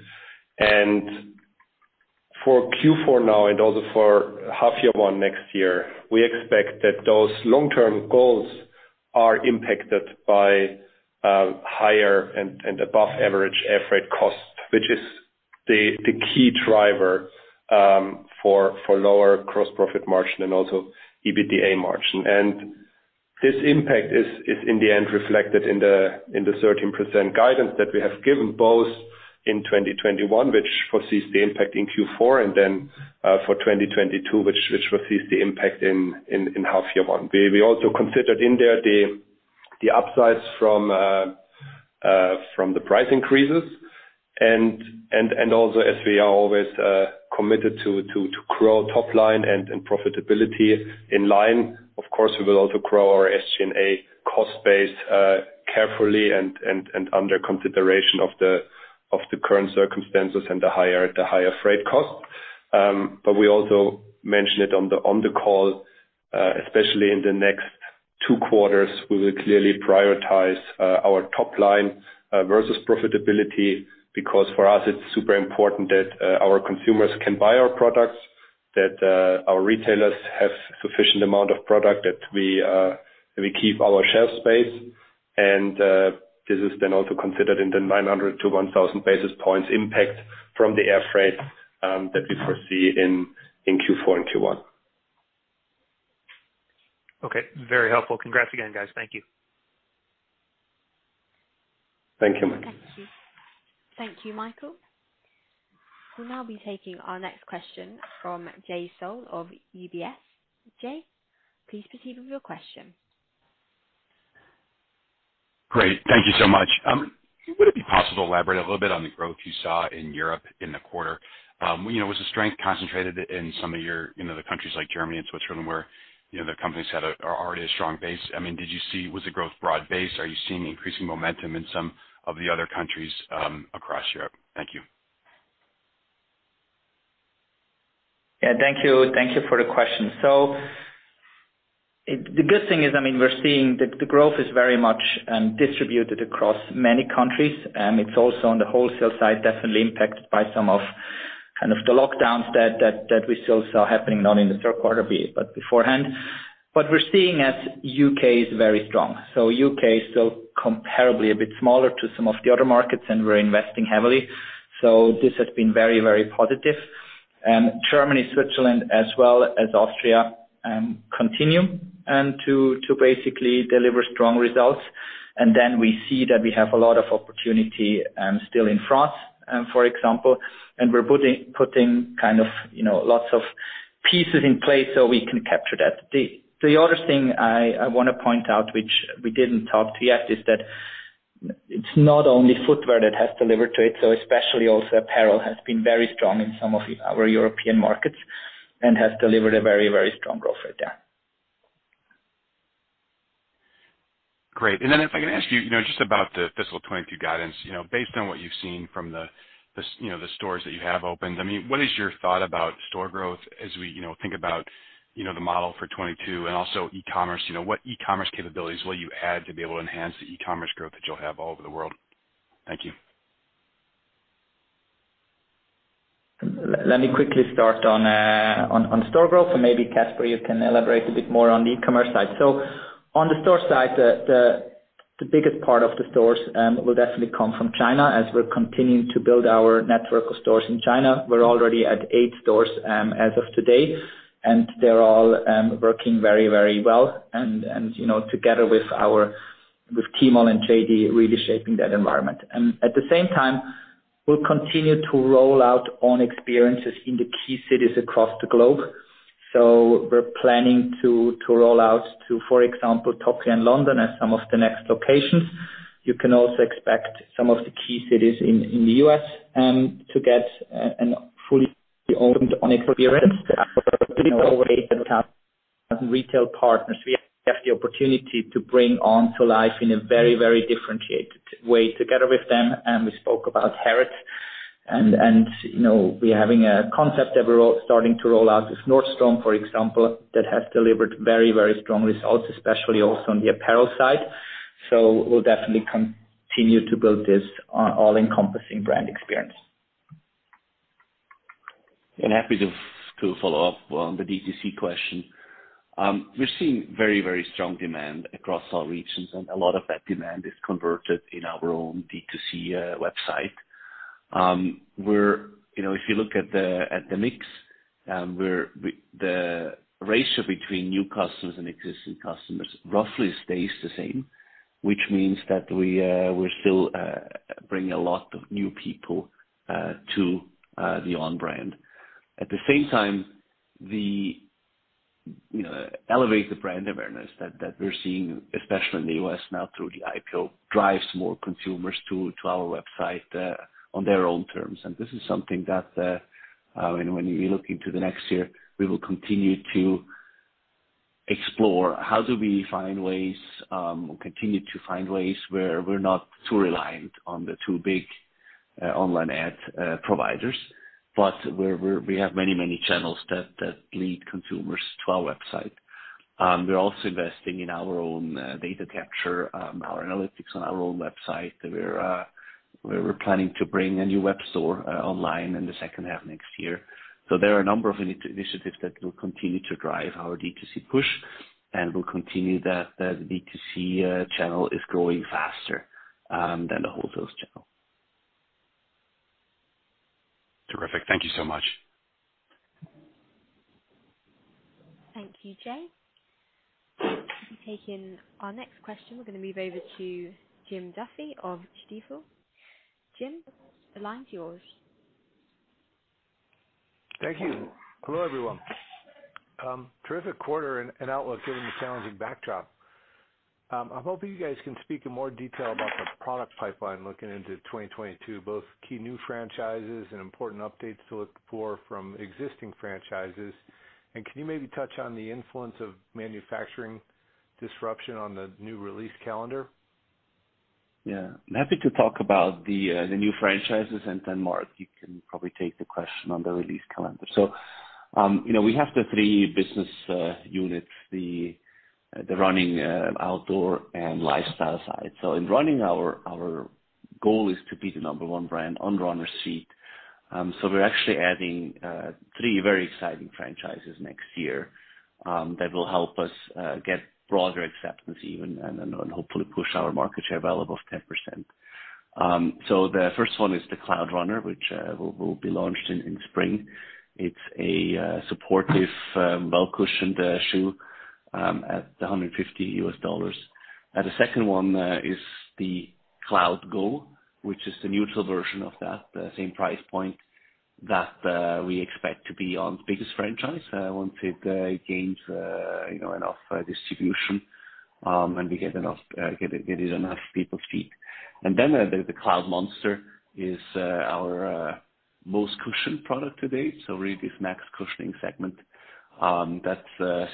For Q4 now and also for half year one next year, we expect that those long-term goals are impacted by higher and above average air freight cost, which is the key driver for lower gross profit margin and also EBITDA margin. This impact is in the end reflected in the 13% guidance that we have given both in 2021, which foresees the impact in Q4 and then for 2022, which foresees the impact in half year one. We also considered in there the upsides from the price increases and also as we are always committed to grow top line and profitability in line. Of course, we will also grow our SG&A cost base carefully and under consideration of the current circumstances and the higher freight cost. We also mentioned it on the call, especially in the next two quarters, we will clearly prioritize our top line versus profitability, because for us, it's super important that our consumers can buy our products, that our retailers have sufficient amount of product that we keep our shelf space. This has been also considered in the 900 basis points - 1,000 basis points impact from the air freight that we foresee in Q4 and Q1. Okay, very helpful. Congrats again, guys. Thank you. Thank you, Michael. Thank you. Thank you, Michael. We'll now be taking our next question from Jay Sole of UBS. Jay, please proceed with your question. Great. Thank you so much. Would it be possible to elaborate a little bit on the growth you saw in Europe in the quarter? You know, was the strength concentrated in some of your, you know, the countries like Germany and Switzerland, where, you know, the company has a strong base? I mean, was the growth broad-based? Are you seeing increasing momentum in some of the other countries across Europe? Thank you. Thank you. Thank you for the question. The good thing is, I mean, we're seeing the growth is very much distributed across many countries. It's also on the wholesale side, definitely impacted by some kind of lockdowns that we still saw happening not in the third quarter, but beforehand. What we're seeing in the U.K. is very strong. The U.K. is still comparably a bit smaller to some of the other markets, and we're investing heavily. This has been very, very positive. Germany, Switzerland, as well as Austria continue to basically deliver strong results. We see that we have a lot of opportunity still in France, for example. We're putting kind of, you know, lots of pieces in place so we can capture that. The other thing I want to point out, which we didn't talk about yet, is that it's not only footwear that has delivered to it. Especially also apparel has been very strong in some of our European markets and has delivered a very, very strong growth rate there. Great. If I can ask you know, just about the fiscal 2022 guidance. You know, based on what you've seen from the you know, the stores that you have opened, I mean, what is your thought about store growth as we, you know, think about, you know, the model for 2022 and also e-commerce? You know, what e-commerce capabilities will you add to be able to enhance the e-commerce growth that you'll have all over the world? Thank you. Let me quickly start on store growth. Maybe Caspar, you can elaborate a bit more on the e-commerce side. On the store side, the biggest part of the stores will definitely come from China as we're continuing to build our network of stores in China. We're already at eight stores as of today, and they're all working very well and you know, together with Tmall and JD, really shaping that environment. At the same time, we'll continue to roll out On experiences in the key cities across the globe. We're planning to roll out to, for example, Tokyo and London as some of the next locations. You can also expect some of the key cities in the U.S. to get a fully owned On experience. You know, away from retail partners, we have the opportunity to bring On to life in a very, very differentiated way together with them. We spoke about Harrods. You know, we're having a concept that we're starting to roll out with Nordstrom, for example, that has delivered very, very strong results, especially also on the apparel side. We'll definitely continue to build this all-encompassing brand experience. Happy to follow up on the DTC question. We're seeing very, very strong demand across all regions, and a lot of that demand is converted in our own DTC website. You know, if you look at the mix, the ratio between new customers and existing customers roughly stays the same, which means that we still bring a lot of new people to the On brand. At the same time, you know, the elevated brand awareness that we're seeing, especially in the U.S. now through the IPO, drives more consumers to our website on their own terms. This is something that when you look into the next year, we will continue to explore how do we find ways or continue to find ways where we're not too reliant on the two big online ad providers, but we have many channels that lead consumers to our website. We're also investing in our own data capture, our analytics on our own website. We're planning to bring a new web store online in the second half next year. There are a number of initiatives that will continue to drive our DTC push and will continue that the DTC channel is growing faster than the wholesale channel. Terrific. Thank you so much. Thank you, Jay. Taking our next question, we're gonna move over to Jim Duffy of Stifel. Jim, the line's yours. Thank you. Hello, everyone. Terrific quarter and outlook given the challenging backdrop. I'm hoping you guys can speak in more detail about the product pipeline looking into 2022, both key new franchises and important updates to look for from existing franchises. Can you maybe touch on the influence of manufacturing disruption on the new release calendar? I'm happy to talk about the new franchises, and then Marc, you can probably take the question on the release calendar. You know, we have the three business units: the running, outdoor and lifestyle side. In running, our goal is to be the number one brand on runner's feet. We're actually adding three very exciting franchises next year that will help us get broader acceptance even and hopefully push our market share well above 10%. The first one is the Cloudrunner, which will be launched in spring. It's a supportive, well-cushioned shoe at $150. The second one is the Cloudgo, which is the neutral version of that, the same price point that we expect to be our biggest franchise once it gains, you know, enough distribution, and we get it enough people's feet. The Cloudmonster is our most cushioned product to date, so really this max cushioning segment that's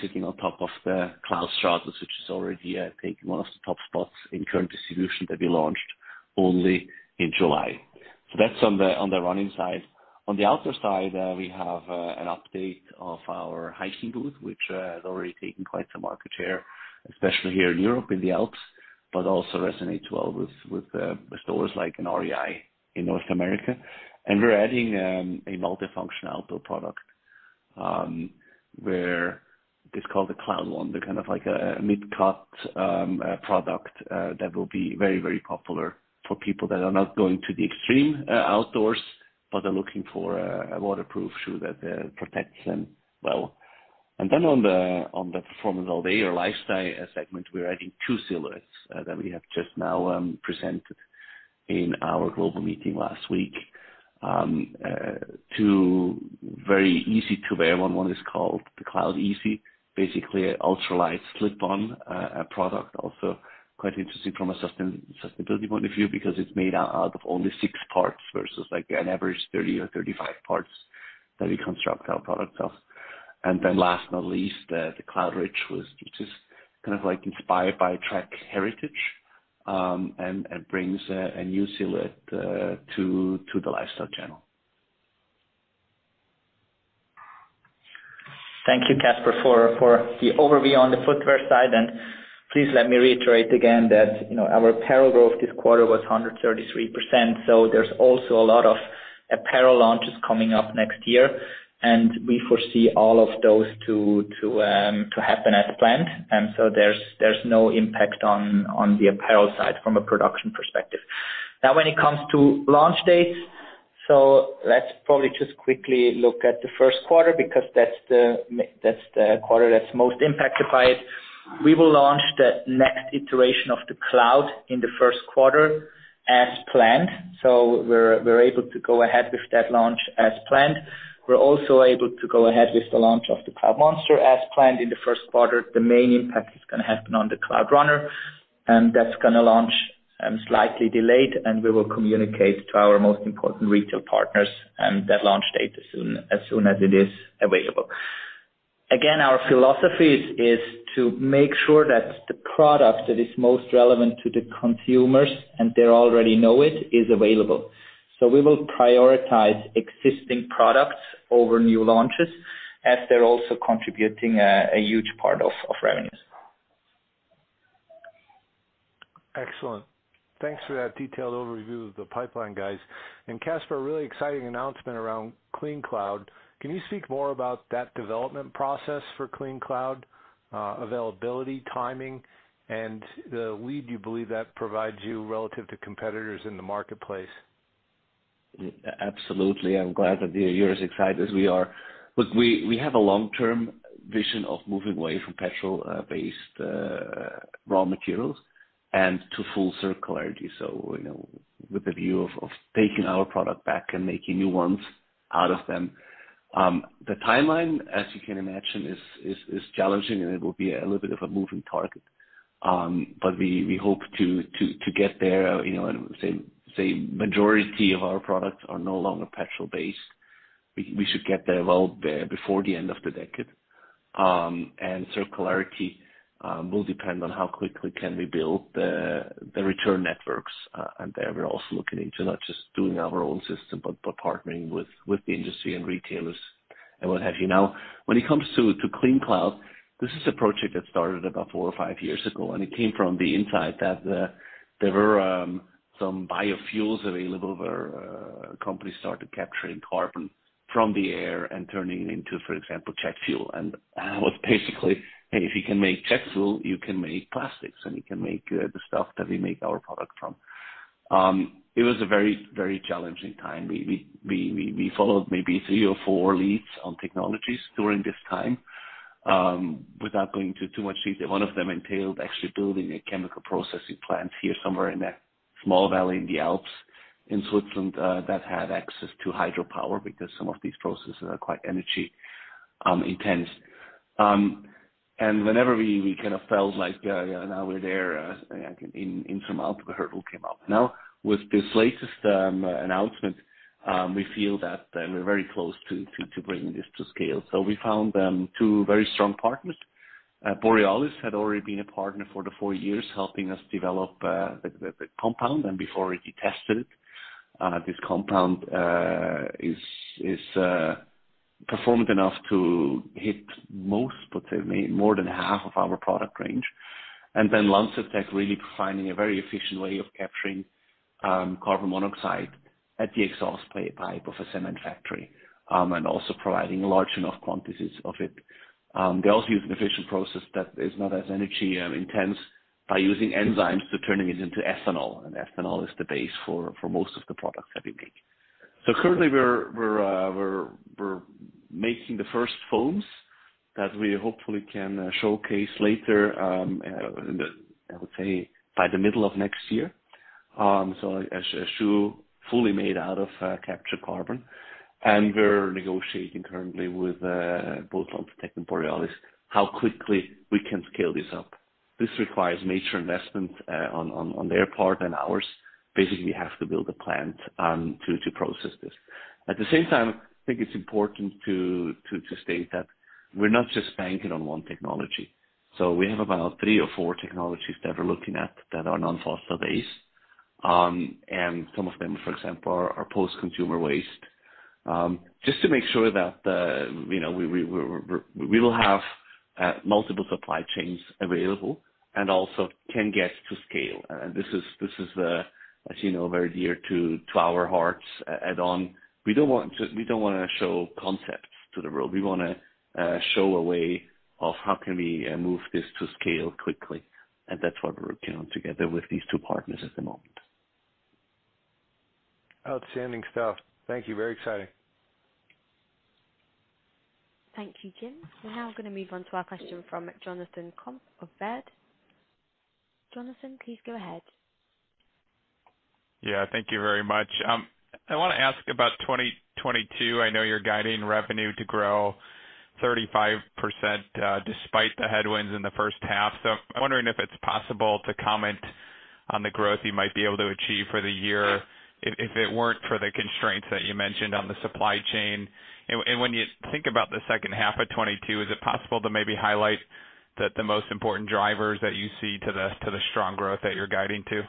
sitting on top of the Cloudstratus, which is already, I think, one of the top spots in current distribution that we launched only in July. That's on the running side. On the outdoor side, we have an update of our hiking boot, which has already taken quite some market share, especially here in Europe, in the Alps, but also resonates well with stores like an REI in North America. We're adding a multifunctional outdoor product, where it's called the Cloudwander, the kind of like a mid-cut product, that will be very, very popular for people that are not going to the extreme outdoors, but are looking for a waterproof shoe that protects them well. On the performance all day or lifestyle segment, we're adding two silhouettes that we have just now presented in our global meeting last week. Two very easy to wear. One is called the Cloudeasy, basically an ultralight slip-on product. Also quite interesting from a sustainability point of view because it's made out of only six parts versus like an average 30 or 35 parts that we construct our products of. Last but not least, the Cloudrift, which is kind of like inspired by track heritage, and brings a new silhouette to the lifestyle channel. Thank you, Caspar, for the overview on the footwear side. Please let me reiterate again that, you know, our apparel growth this quarter was 133%, so there's also a lot of apparel launches coming up next year, and we foresee all of those to happen as planned. There's no impact on the apparel side from a production perspective. Now, when it comes to launch dates, let's probably just quickly look at the first quarter because that's the quarter that's most impacted by it. We will launch the next iteration of the Cloud in the first quarter as planned. We're able to go ahead with that launch as planned. We're also able to go ahead with the launch of the Cloudmonster as planned in the first quarter. The main impact is gonna happen on the Cloudrunner, and that's gonna launch slightly delayed, and we will communicate to our most important retail partners that launch date as soon as it is available. Again, our philosophy is to make sure that the product that is most relevant to the consumers, and they already know it, is available. We will prioritize existing products over new launches as they're also contributing a huge part of revenues. Excellent. Thanks for that detailed overview of the pipeline, guys. Caspar, a really exciting announcement around CleanCloud™. Can you speak more about that development process for CleanCloud™, availability, timing, and the lead you believe that provides you relative to competitors in the marketplace? Absolutely. I'm glad that you're as excited as we are. Look, we have a long-term vision of moving away from petrol-based raw materials and to full circularity. You know, with the view of taking our product back and making new ones out of them. The timeline, as you can imagine, is challenging, and it will be a little bit of a moving target. But we hope to get there, you know, say majority of our products are no longer petrol-based. We should get there well before the end of the decade. And circularity will depend on how quickly we can build the return networks. And there we're also looking into not just doing our own system, but partnering with the industry and retailers and what have you. Now, when it comes to CleanCloud™, this is a project that started about four or five years ago, and it came from the insight that there were some biofuels available where companies started capturing carbon from the air and turning it into, for example, jet fuel. That was basically, hey, if you can make jet fuel, you can make plastics, and you can make the stuff that we make our product from. It was a very challenging time. We followed maybe three or four leads on technologies during this time. Without going into too much detail, one of them entailed actually building a chemical processing plant here somewhere in a small valley in the Alps in Switzerland that had access to hydropower because some of these processes are quite energy intense. Whenever we kind of felt like yeah now we're there, another hurdle came up. With this latest announcement, we feel that we're very close to bringing this to scale. We found two very strong partners. Borealis had already been a partner for four years, helping us develop the compound, and we've already tested it. This compound is performant enough to hit most, potentially more than half of our product range. Lanzatec really providing a very efficient way of capturing carbon monoxide at the exhaust pipe of a cement factory, and also providing large enough quantities of it. They also use an efficient process that is not as energy-intensive by using enzymes to turn it into ethanol, and ethanol is the base for most of the products that we make. Currently we're making the first foams that we hopefully can showcase later. I would say by the middle of next year. A shoe fully made out of captured carbon. We're negotiating currently with both Lanzatec and Borealis how quickly we can scale this up. This requires major investment on their part and ours. Basically, we have to build a plant to process this. At the same time, I think it's important to state that we're not just banking on one technology. We have about three or four technologies that we're looking at that are non-fossil based. Some of them, for example, are post-consumer waste. Just to make sure that the, you know, we will have multiple supply chains available and also can get to scale. This is, as you know, very dear to our hearts at On. We don't wanna show concepts to the world. We wanna show a way of how can we move this to scale quickly. That's what we're working on together with these two partners at the moment. Outstanding stuff. Thank you. Very exciting. Thank you, Jim. We're now gonna move on to our question from Jonathan Komp of Baird. Jonathan, please go ahead. Yeah, thank you very much. I wanna ask about 2022. I know you're guiding revenue to grow 35%, despite the headwinds in the first half. I'm wondering if it's possible to comment on the growth you might be able to achieve for the year if it weren't for the constraints that you mentioned on the supply chain. When you think about the second half of 2022, is it possible to maybe highlight the most important drivers that you see to the strong growth that you're guiding to?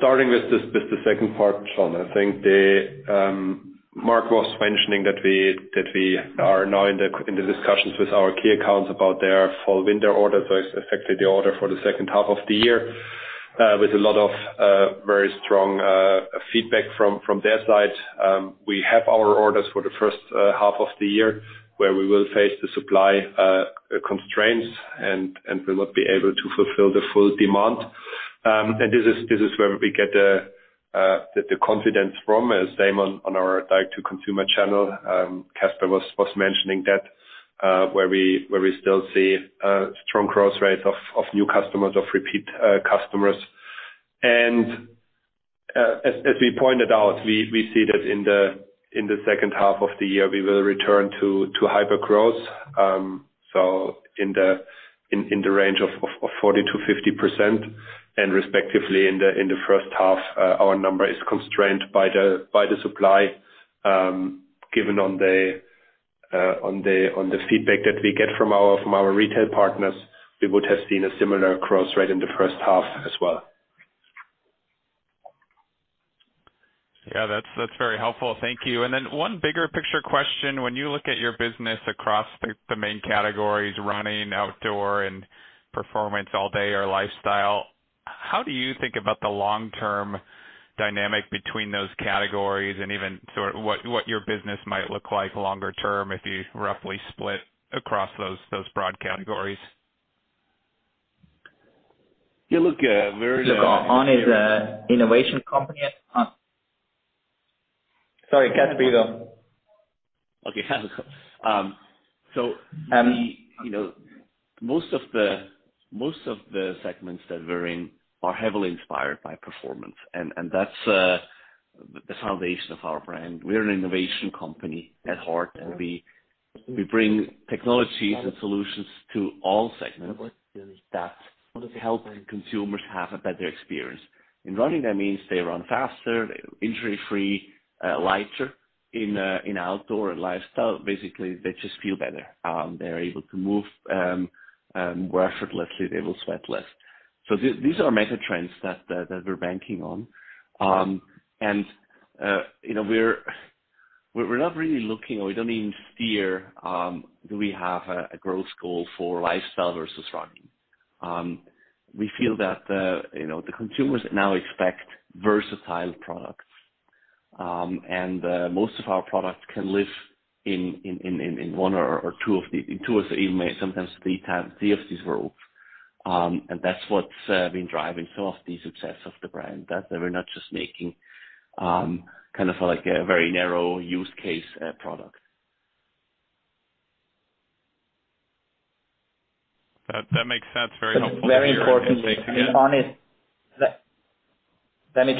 Starting with this, with the second part, Jonathan, I think Marc Maurer was mentioning that we are now in the discussions with our key accounts about their fall/winter orders, so it's effectively the order for the second half of the year, with a lot of very strong feedback from their side. We have our orders for the first half of the year where we will face the supply constraints and we will be able to fulfill the full demand. This is where we get the confidence from. As demand on our direct to consumer channel, Caspar Coppetti was mentioning that where we still see strong growth rates of new customers, of repeat customers. As we pointed out, we see that in the second half of the year, we will return to hyper growth, so in the range of 40%-50%. Respectively in the first half, our number is constrained by the supply. Given the feedback that we get from our retail partners, we would have seen a similar growth rate in the first half as well. Yeah, that's very helpful. Thank you. One bigger picture question. When you look at your business across the main categories, running, outdoor and performance all day or lifestyle, how do you think about the long-term dynamic between those categories and even sort of what your business might look like longer term if you roughly split across those broad categories? Yeah, look, Look, On is an innovative company. Sorry, Caspar, go. Okay. You know, most of the segments that we're in are heavily inspired by performance and that's the foundation of our brand. We're an innovation company at heart and we bring technologies and solutions to all segments that help consumers have a better experience. In running, that means they run faster, injury-free, lighter. In outdoor and lifestyle, basically they just feel better. They're able to move more effortlessly. They will sweat less. These are mega trends that we're banking on. You know, we're not really looking or we don't even steer. Do we have a growth goal for lifestyle versus running? We feel that, you know, the consumers now expect versatile products. Most of our products can live in one or two of the eight, maybe sometimes three, of these worlds. That's what's been driving some of the success of the brand, that we're not just making kind of like a very narrow use case product. That makes sense. Very helpful to hear. It's very important to me.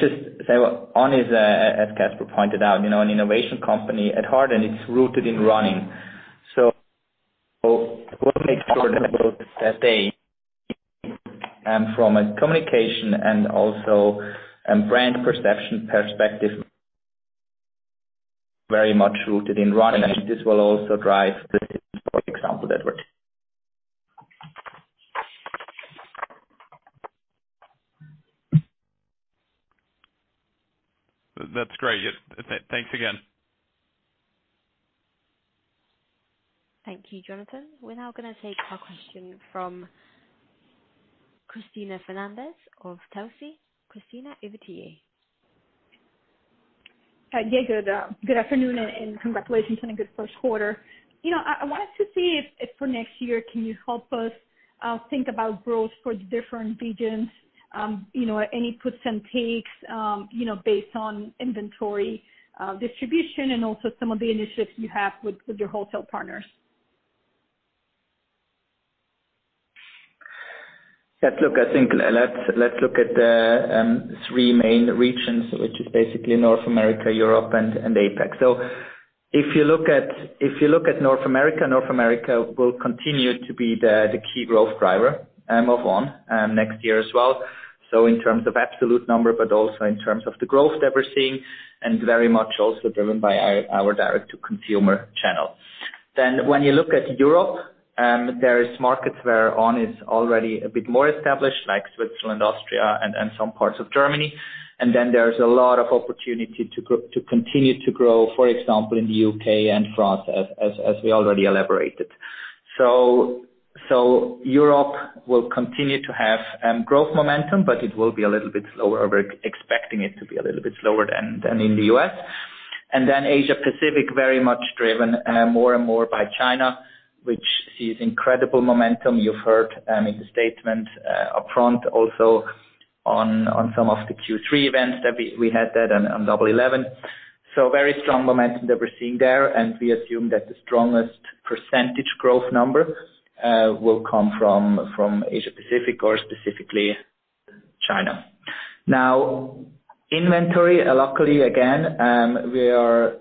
On is, as Casper pointed out, you know, an innovation company at heart, and it's rooted in running. We'll make sure that they, from a communication and also a brand perception perspective, very much rooted in running. This will also drive the, for example, that we're That's great. Thanks again. Thank you, Jonathan. We're now gonna take a question from Cristina Fernández of Telsey. Cristina, over to you. Good afternoon and congratulations on a good first quarter. You know, I wanted to see if for next year, can you help us think about growth for the different regions, you know, any puts and takes, you know, based on inventory, distribution and also some of the initiatives you have with your wholesale partners. Let's look at the three main regions, I think, which is basically North America, Europe, and APAC. If you look at North America, North America will continue to be the key growth driver of On next year as well. In terms of absolute number, but also in terms of the growth that we're seeing, and very much also driven by our direct-to-consumer channel. When you look at Europe, there is markets where On is already a bit more established like Switzerland, Austria, and some parts of Germany. There's a lot of opportunity to continue to grow, for example, in the U.K. and France as we already elaborated. Europe will continue to have growth momentum, but it will be a little bit slower. We're expecting it to be a little bit slower than in the U.S. Then Asia-Pacific, very much driven, more and more by China, which sees incredible momentum. You've heard in the statement upfront also on some of the Q3 events that we had that on double eleven. Very strong momentum that we're seeing there, and we assume that the strongest percentage growth number will come from Asia-Pacific or specifically China. Now inventory, luckily again, we are,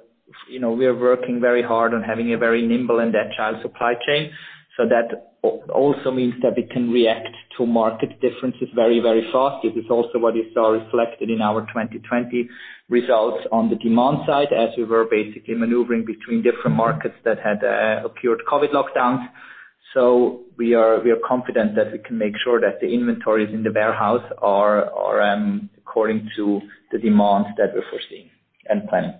you know, we are working very hard on having a very nimble and agile supply chain. That also means that we can react to market differences very, very fast. This is also what you saw reflected in our 2020 results on the demand side as we were basically maneuvering between different markets that had accrued COVID lockdowns. We are confident that we can make sure that the inventories in the warehouse are according to the demands that we're foreseeing and planning.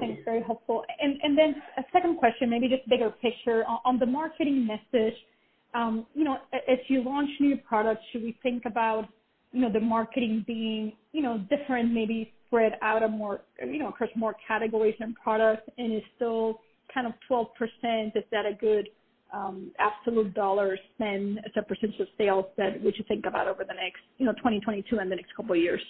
Thanks. Very helpful. Then a second question, maybe just bigger picture. On the marketing message, you know, as you launch new products, should we think about, you know, the marketing being, you know, different, maybe spread out more, you know, across more categories and products, and is it still kind of 12%? Is that a good absolute dollar spend as a percentage of sales that we should think about over the next, you know, 2022 and the next couple of years?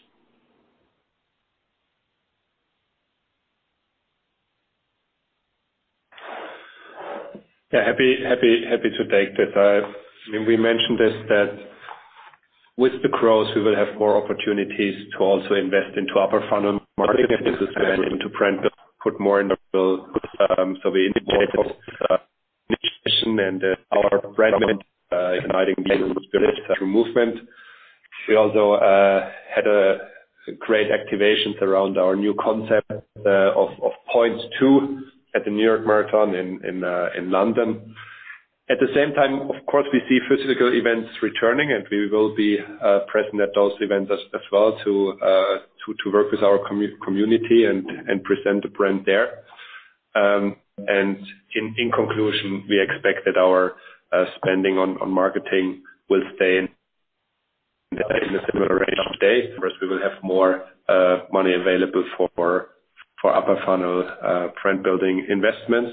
Yeah. Happy to take that. We mentioned this, that with the growth, we will have more opportunities to also invest into upper funnel marketing and into brand build, put more in the build. We indicated and our brand igniting human spirit through movement. We also had a great activations around our new concept of point two at the New York Marathon in London. At the same time, of course, we see physical events returning, and we will be present at those events as well to work with our community and present the brand there. In conclusion, we expect that our spending on marketing will stay in a similar range today. First, we will have more money available for upper funnel brand building investments.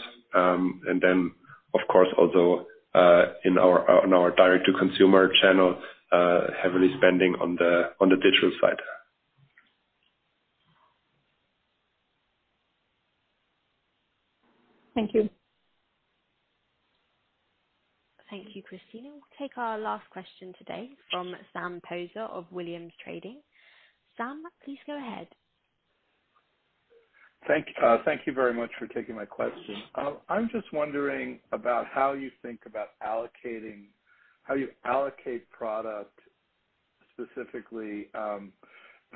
Of course, also, in our direct to consumer channel, heavily spending on the digital side. Thank you. Thank you, Cristina. We'll take our last question today from Sam Poser of Williams Trading. Sam, please go ahead. Thank you very much for taking my question. I'm just wondering about how you allocate product specifically,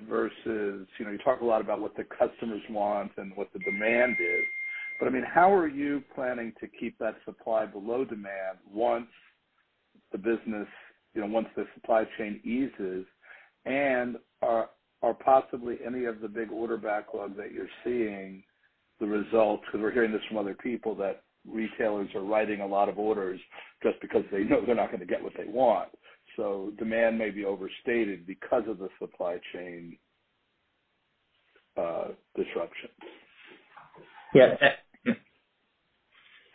versus, you know, you talk a lot about what the customers want and what the demand is. But, I mean, how are you planning to keep that supply below demand once the supply chain eases? And are possibly any of the big order backlog that you're seeing the results, because we're hearing this from other people that retailers are writing a lot of orders just because they know they're not gonna get what they want. Demand may be overstated because of the supply chain disruption. Yes.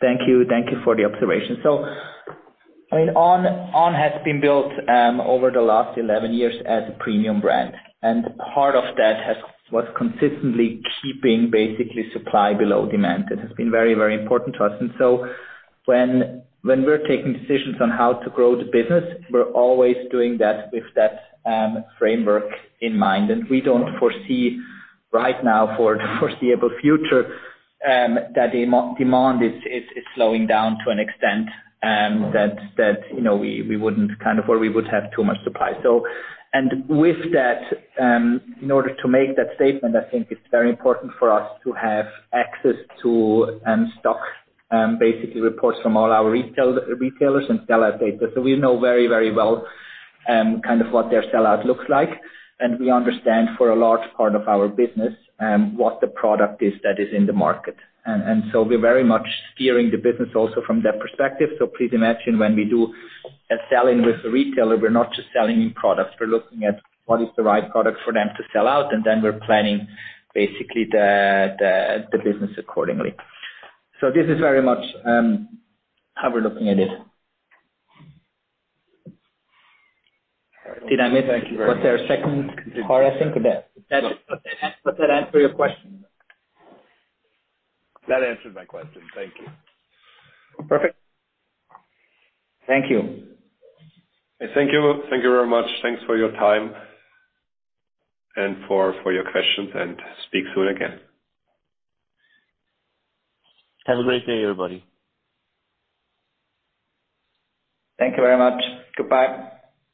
Thank you. Thank you for the observation. I mean, On has been built over the last 11 years as a premium brand, and part of that has been consistently keeping basically supply below demand. That has been very, very important to us. When we're taking decisions on how to grow the business, we're always doing that with that framework in mind. We don't foresee right now for the foreseeable future that demand is slowing down to an extent that you know we wouldn't kind of or we would have too much supply. With that, in order to make that statement, I think it's very important for us to have access to in-stock basically reports from all our retailers and sell-out data. We know very, very well, kind of what their sellout looks like, and we understand for a large part of our business, what the product is that is in the market. We're very much steering the business also from that perspective. Please imagine when we do a sell-in with the retailer, we're not just selling products. We're looking at what is the right product for them to sell out, and then we're planning basically the business accordingly. This is very much how we're looking at it. Did I miss- Thank you very much. Was there a second part, I think? Does that answer your question? That answered my question. Thank you. Perfect. Thank you. Thank you. Thank you very much. Thanks for your time and for your questions, and speak soon again. Have a great day, everybody. Thank you very much. Goodbye.